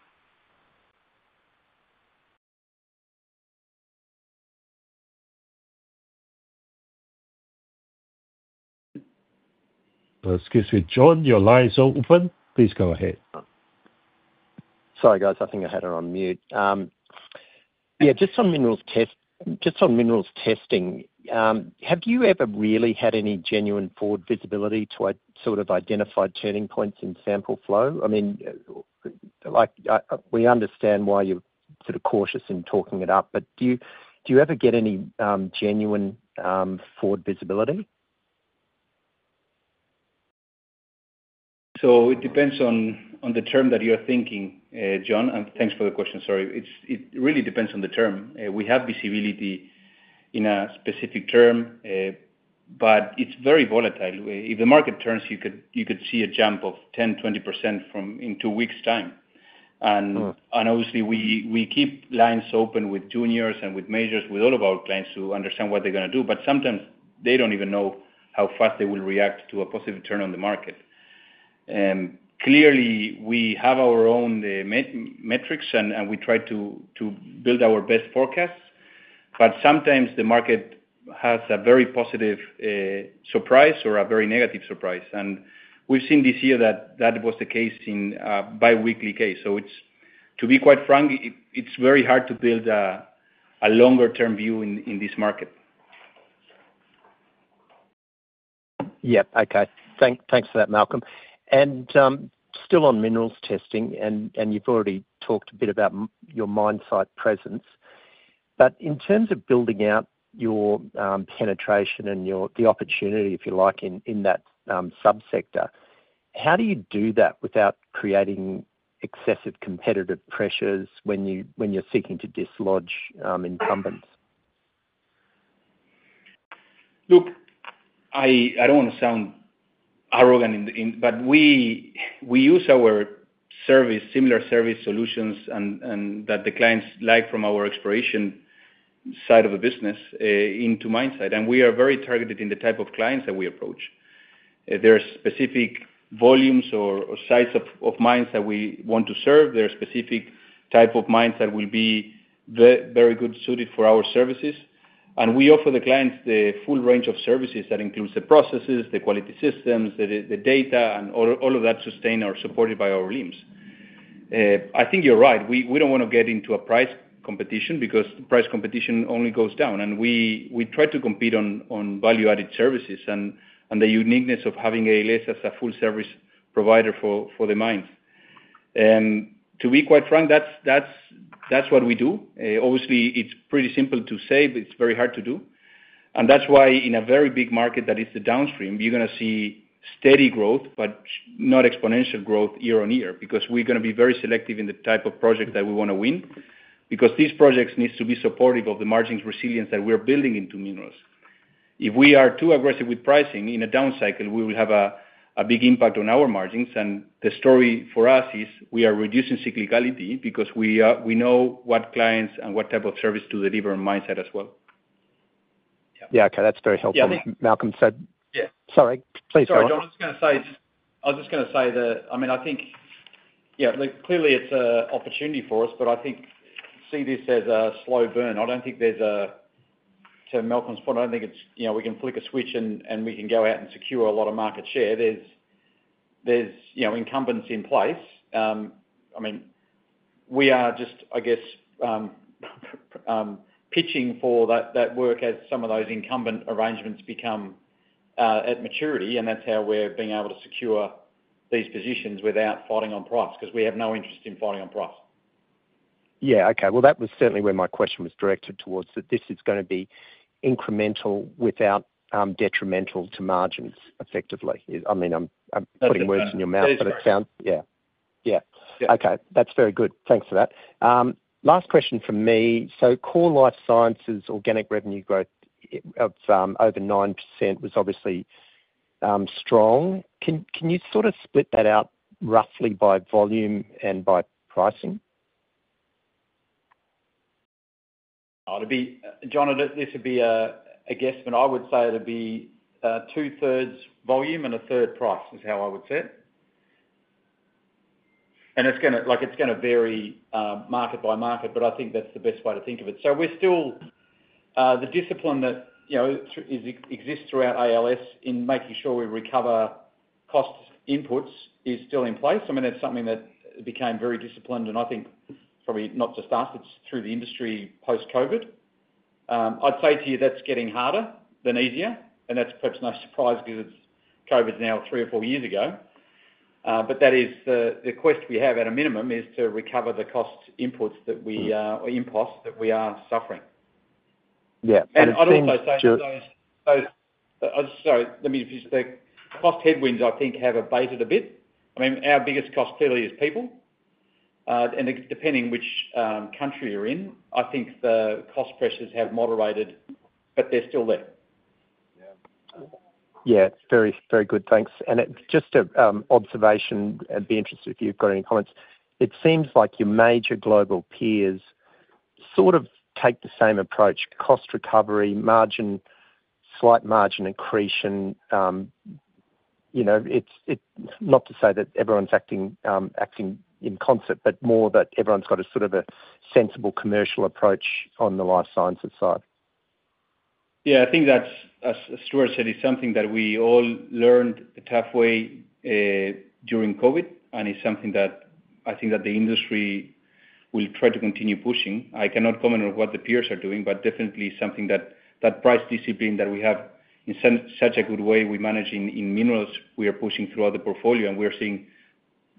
Excuse me, John, your line is open. Please go ahead. Sorry, guys. I think I had her on mute. Yeah, just on Minerals testing, have you ever really had any genuine forward visibility to sort of identify turning points in sample flow? I mean, we understand why you're sort of cautious in talking it up, but do you ever get any genuine forward visibility? So it depends on the term that you're thinking, John. Thanks for the question. Sorry. It really depends on the term. We have visibility in a specific term, but it's very volatile. If the market turns, you could see a jump of 10%-20% in two weeks' time. Obviously, we keep lines open with juniors and with majors with all of our clients to understand what they're going to do. Sometimes they don't even know how fast they will react to a positive turn on the market. Clearly, we have our own metrics, and we try to build our best forecasts. Sometimes the market has a very positive surprise or a very negative surprise. We've seen this year that that was the case in a bi-weekly case. To be quite frank, it's very hard to build a longer-term view in this market. Yeah. Okay. Thanks for that, Malcolm. Still on Minerals testing, and you've already talked a bit about your mine site presence. But in terms of building out your penetration and the opportunity, if you like, in that subsector, how do you do that without creating excessive competitive pressures when you're seeking to dislodge incumbents? Look, I don't want to sound arrogant, but we use our similar service solutions that the clients like from our exploration side of the business into mine site. And we are very targeted in the type of clients that we approach. There are specific volumes or sizes of mines that we want to serve. There are specific types of mines that will be very well suited for our services. And we offer the clients the full range of services that includes the processes, the quality systems, the data, and all of that sustained or supported by our LIMS. I think you're right. We don't want to get into a price competition because price competition only goes down, and we try to compete on value-added services and the uniqueness of having ALS as a full-service provider for the mines. To be quite frank, that's what we do. Obviously, it's pretty simple to say, but it's very hard to do. That's why in a very big market that is the downstream, you're going to see steady growth, but not exponential growth year-on-year because we're going to be very selective in the type of project that we want to win because these projects need to be supportive of the margins resilience that we're building into Minerals. If we are too aggressive with pricing in a down cycle, we will have a big impact on our margins. The story for us is we are reducing cyclicality because we know what clients and what type of service to deliver in mine site as well. Yeah. Okay. That's very helpful. Malcolm said - sorry. Please go ahead. Sorry. I was just going to say that, I mean, I think, yeah, clearly it's an opportunity for us, but I think see this as a slow burn. I don't think there's a - to Malcolm's point, I don't think we can flick a switch and we can go out and secure a lot of market share. There's incumbents in place. I mean, we are just, I guess, pitching for that work as some of those incumbent arrangements become at maturity. And that's how we're being able to secure these positions without fighting on price because we have no interest in fighting on price. Yeah. Okay. Well, that was certainly where my question was directed towards, that this is going to be incremental without detrimental to margins, effectively. I mean, I'm putting words in your mouth, but it sounds, yeah. Yeah. Okay. That's very good. Thanks for that. Last question from me. So core Life Sciences organic revenue growth of over 9% was obviously strong. Can you sort of split that out roughly by volume and by pricing? John, this would be a guess, but I would say it would be two-thirds volume and a third price is how I would say it. And it's going to vary market by market, but I think that's the best way to think of it. So we're still, the discipline that exists throughout ALS in making sure we recover cost inputs is still in place. I mean, that's something that became very disciplined, and I think probably not just us, it's through the industry post-COVID. I'd say to you that's getting harder than easier. And that's perhaps no surprise because COVID's now three or four years ago. But that is the quest we have at a minimum is to recover the cost inputs that we—or imposts that we are suffering. Yeah. And I'd also say those—sorry. The cost headwinds, I think, have abated a bit. I mean, our biggest cost clearly is people. And depending which country you're in, I think the cost pressures have moderated, but they're still there. Yeah. Yeah. Very good. Thanks. And just an observation, I'd be interested if you've got any comments. It seems like your major global peers sort of take the same approach: cost recovery, slight margin accretion. It's not to say that everyone's acting in concert, but more that everyone's got a sort of a sensible commercial approach on the Life Sciences side. Yeah. I think that, as Stuart said, is something that we all learned a tough way during COVID. And it's something that I think that the industry will try to continue pushing. I cannot comment on what the peers are doing, but definitely something that price discipline that we have in such a good way we manage in Minerals, we are pushing throughout the portfolio. And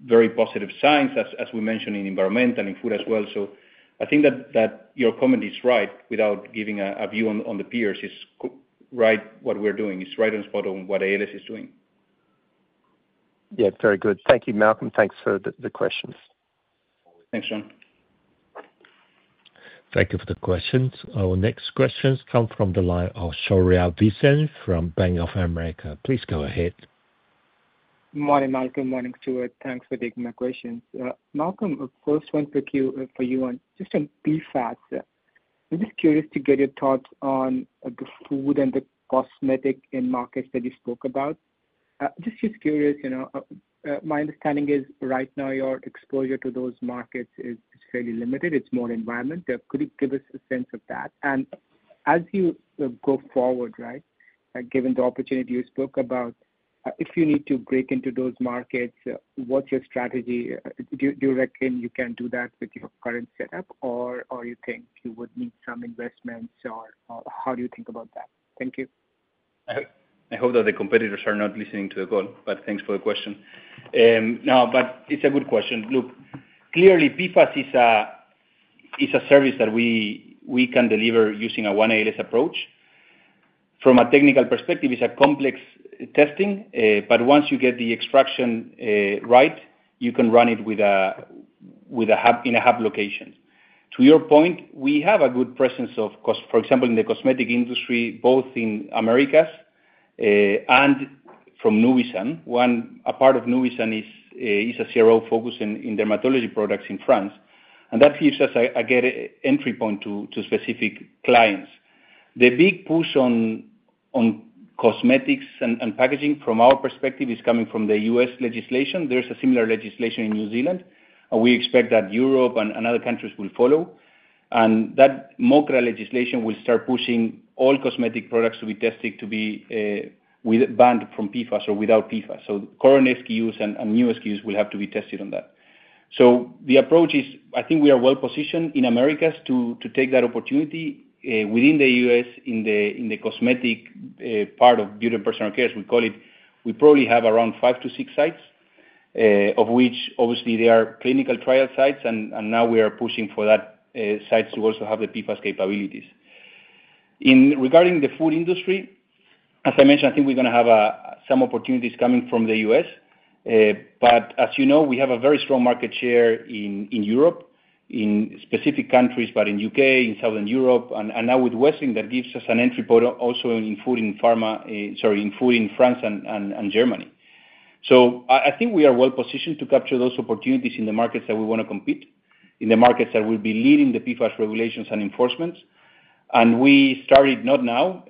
we're seeing very positive signs, as we mentioned, in environment and in food as well. So I think that your comment is right without giving a view on the peers. It's right what we're doing. It's right on spot on what ALS is doing. Yeah. Very good. Thank you, Malcolm. Thanks for the questions. Thanks, John. Thank you for the questions. Our next questions come from Shuey-Arjun Son from Bank of America. Please go ahead. Good morning, Malcolm. Morning, Stuart. Thanks for taking my questions. Malcolm, first one for you. Just a brief fact. I'm just curious to get your thoughts on the food and the cosmetics markets that you spoke about. Just curious, my understanding is right now your exposure to those markets is fairly limited. It's more environment. Could you give us a sense of that? And as you go forward, right, given the opportunity you spoke about, if you need to break into those markets, what's your strategy? Do you reckon you can do that with your current setup, or do you think you would need some investments, or how do you think about that? Thank you. I hope that the competitors are not listening to the call, but thanks for the question. No, but it's a good question. Look, clearly, PFAS is a service that we can deliver using a One ALS approach. From a technical perspective, it's complex testing. But once you get the extraction right, you can run it in a hub location. To your point, we have a good presence of, for example, in the cosmetic industry, both in Americas and from Nuvisan. A part of Nuvisan is a CRO focus in dermatology products in France. And that gives us a good entry point to specific clients. The big push on cosmetics and packaging from our perspective is coming from the US legislation. There's a similar legislation in New Zealand. We expect that Europe and other countries will follow. That MoCRA legislation will start pushing all cosmetic products to be tested with a ban from PFAS or without PFAS. So current SKUs and new SKUs will have to be tested on that. So the approach is I think we are well positioned in the Americas to take that opportunity. Within the U.S., in the cosmetic part of Beauty and Personal Care, as we call it, we probably have around five to six sites, of which obviously they are clinical trial sites. And now we are pushing for those sites to also have the PFAS capabilities. Regarding the food industry, as I mentioned, I think we're going to have some opportunities coming from the U.S. But as you know, we have a very strong market share in Europe, in specific countries, but in the U.K., in Southern Europe. And now with Wessling, that gives us an entry point also in food in France and Germany. So I think we are well positioned to capture those opportunities in the markets that we want to compete, in the markets that will be leading the PFAS regulations and enforcement. And we started, not now,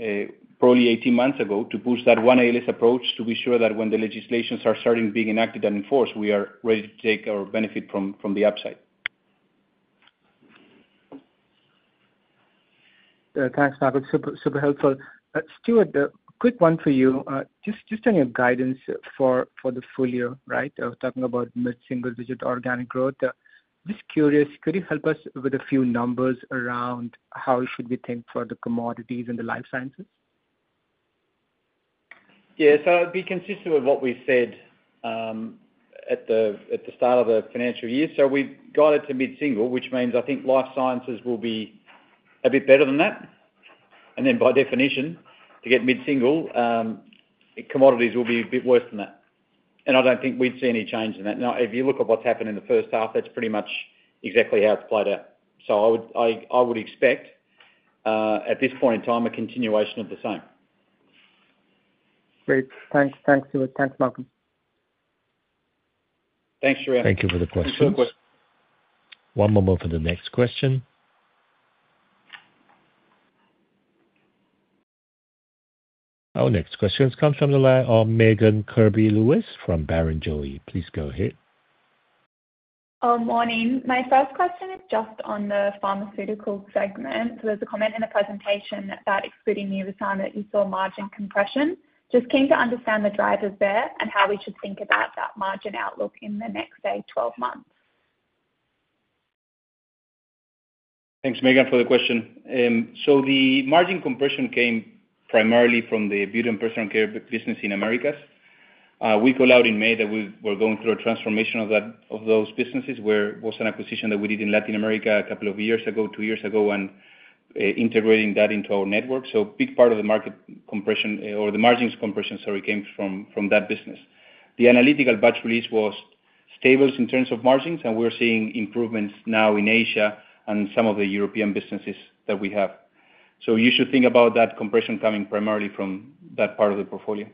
probably 18 months ago, to push that One ALS approach to be sure that when the legislations are starting being enacted and enforced, we are ready to take our benefit from the upside. Thanks, Malcolm. Super helpful. Stuart, quick one for you. Just on your guidance for the full year, right? I was talking about single-digit organic growth. Just curious, could you help us with a few numbers around how should we think for the commodities and the Life Sciences? Yeah. So I'd be consistent with what we said at the start of the financial year. So we've got it to mid-single, which means I think Life Sciences will be a bit better than that. And then by definition, to get mid-single, commodities will be a bit worse than that. And I don't think we'd see any change in that. Now, if you look at what's happened in the first half, that's pretty much exactly how it's played out. So I would expect at this point in time, a continuation of the same. Great. Thanks, Stuart. Thanks, Malcolm. Thanks, Shuey. Thank you for the questions. One moment for the next question. Our next question has come from Megan Kirby-Lewis from Barrenjoey. Please go ahead. Good morning. My first question is just on the Pharmaceutical segment. So there's a comment in the presentation about excluding Nuvisan that you saw margin compression. Just keen to understand the drivers there and how we should think about that margin outlook in the next 12 months. Thanks, Megan, for the question. So the margin compression came primarily from the Beauty and Personal Care business in Americas. We called out in May that we were going through a transformation of those businesses, where it was an acquisition that we did in Latin America a couple of years ago, two years ago, and integrating that into our network. So a big part of the margin compression came from that business. The analytical batch release was stable in terms of margins, and we're seeing improvements now in Asia and some of the European businesses that we have. So you should think about that compression coming primarily from that part of the portfolio.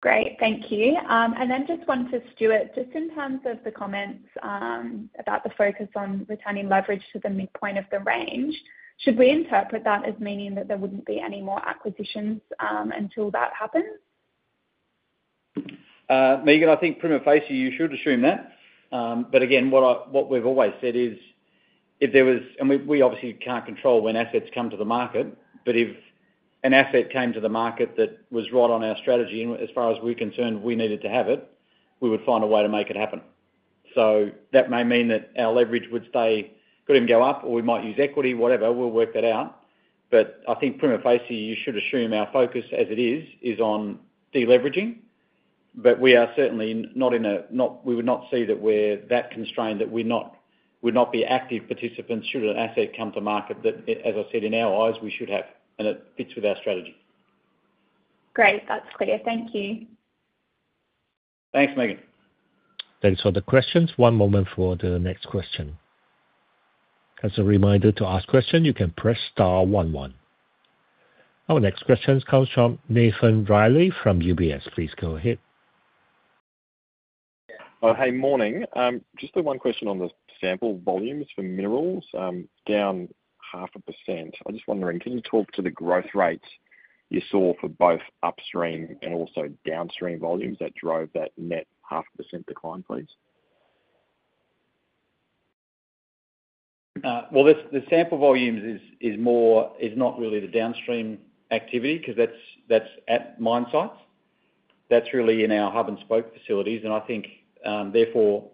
Great. Thank you. And then just wanted to, Stuart, just in terms of the comments about the focus on returning leverage to the midpoint of the range, should we interpret that as meaning that there wouldn't be any more acquisitions until that happens? Megan, I think prima facie, you should assume that. But again, what we've always said is if there was, and we obviously can't control when assets come to the market, but if an asset came to the market that was right on our strategy, as far as we're concerned, we needed to have it, we would find a way to make it happen. So that may mean that our leverage would stay good and go up, or we might use equity, whatever. We'll work that out. But I think prima facie, you should assume our focus as it is is on deleveraging. But we are certainly not in a—we would not see that we're that constrained, that we would not be active participants should an asset come to market that, as I said, in our eyes, we should have. And it fits with our strategy. Great. That's clear. Thank you. Thanks, Megan. Thanks for the questions. One moment for the next question. As a reminder to ask questions, you can press star 11. Our next question comes from Nathan Reilly from UBS. Please go ahead. Hey, morning. Just the one question on the sample volumes for Minerals, down 0.5%. I was just wondering, can you talk to the growth rates you saw for both upstream and also downstream volumes that drove that net 0.5% decline, please? Well, the sample volume is not really the downstream activity because that's at mine sites. That's really in our hub and spoke facilities. And I think, therefore,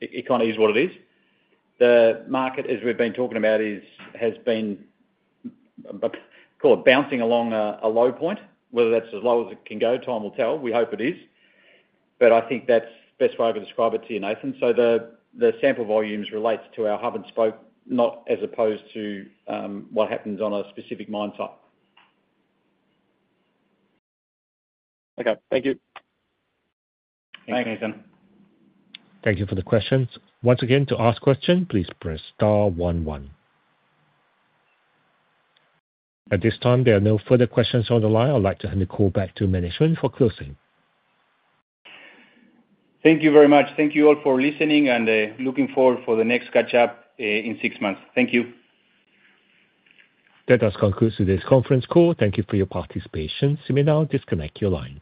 it kind of is what it is. The market, as we've been talking about, has been bouncing along a low point. Whether that's as low as it can go, time will tell. We hope it is. But I think that's the best way I could describe it to you, Nathan. So the sample volumes relate to our hub and spoke, not as opposed to what happens on a specific mine site. Okay. Thank you. Thanks, Nathan. Thank you for the questions. Once again, to ask questions, please press star 11. At this time, there are no further questions on the line. I'd like to hand the call back to Management for closing. Thank you very much. Thank you all for listening, and looking forward for the next catch-up in six months. Thank you. That does conclude today's conference call. Thank you for your participation. You may now disconnect your line.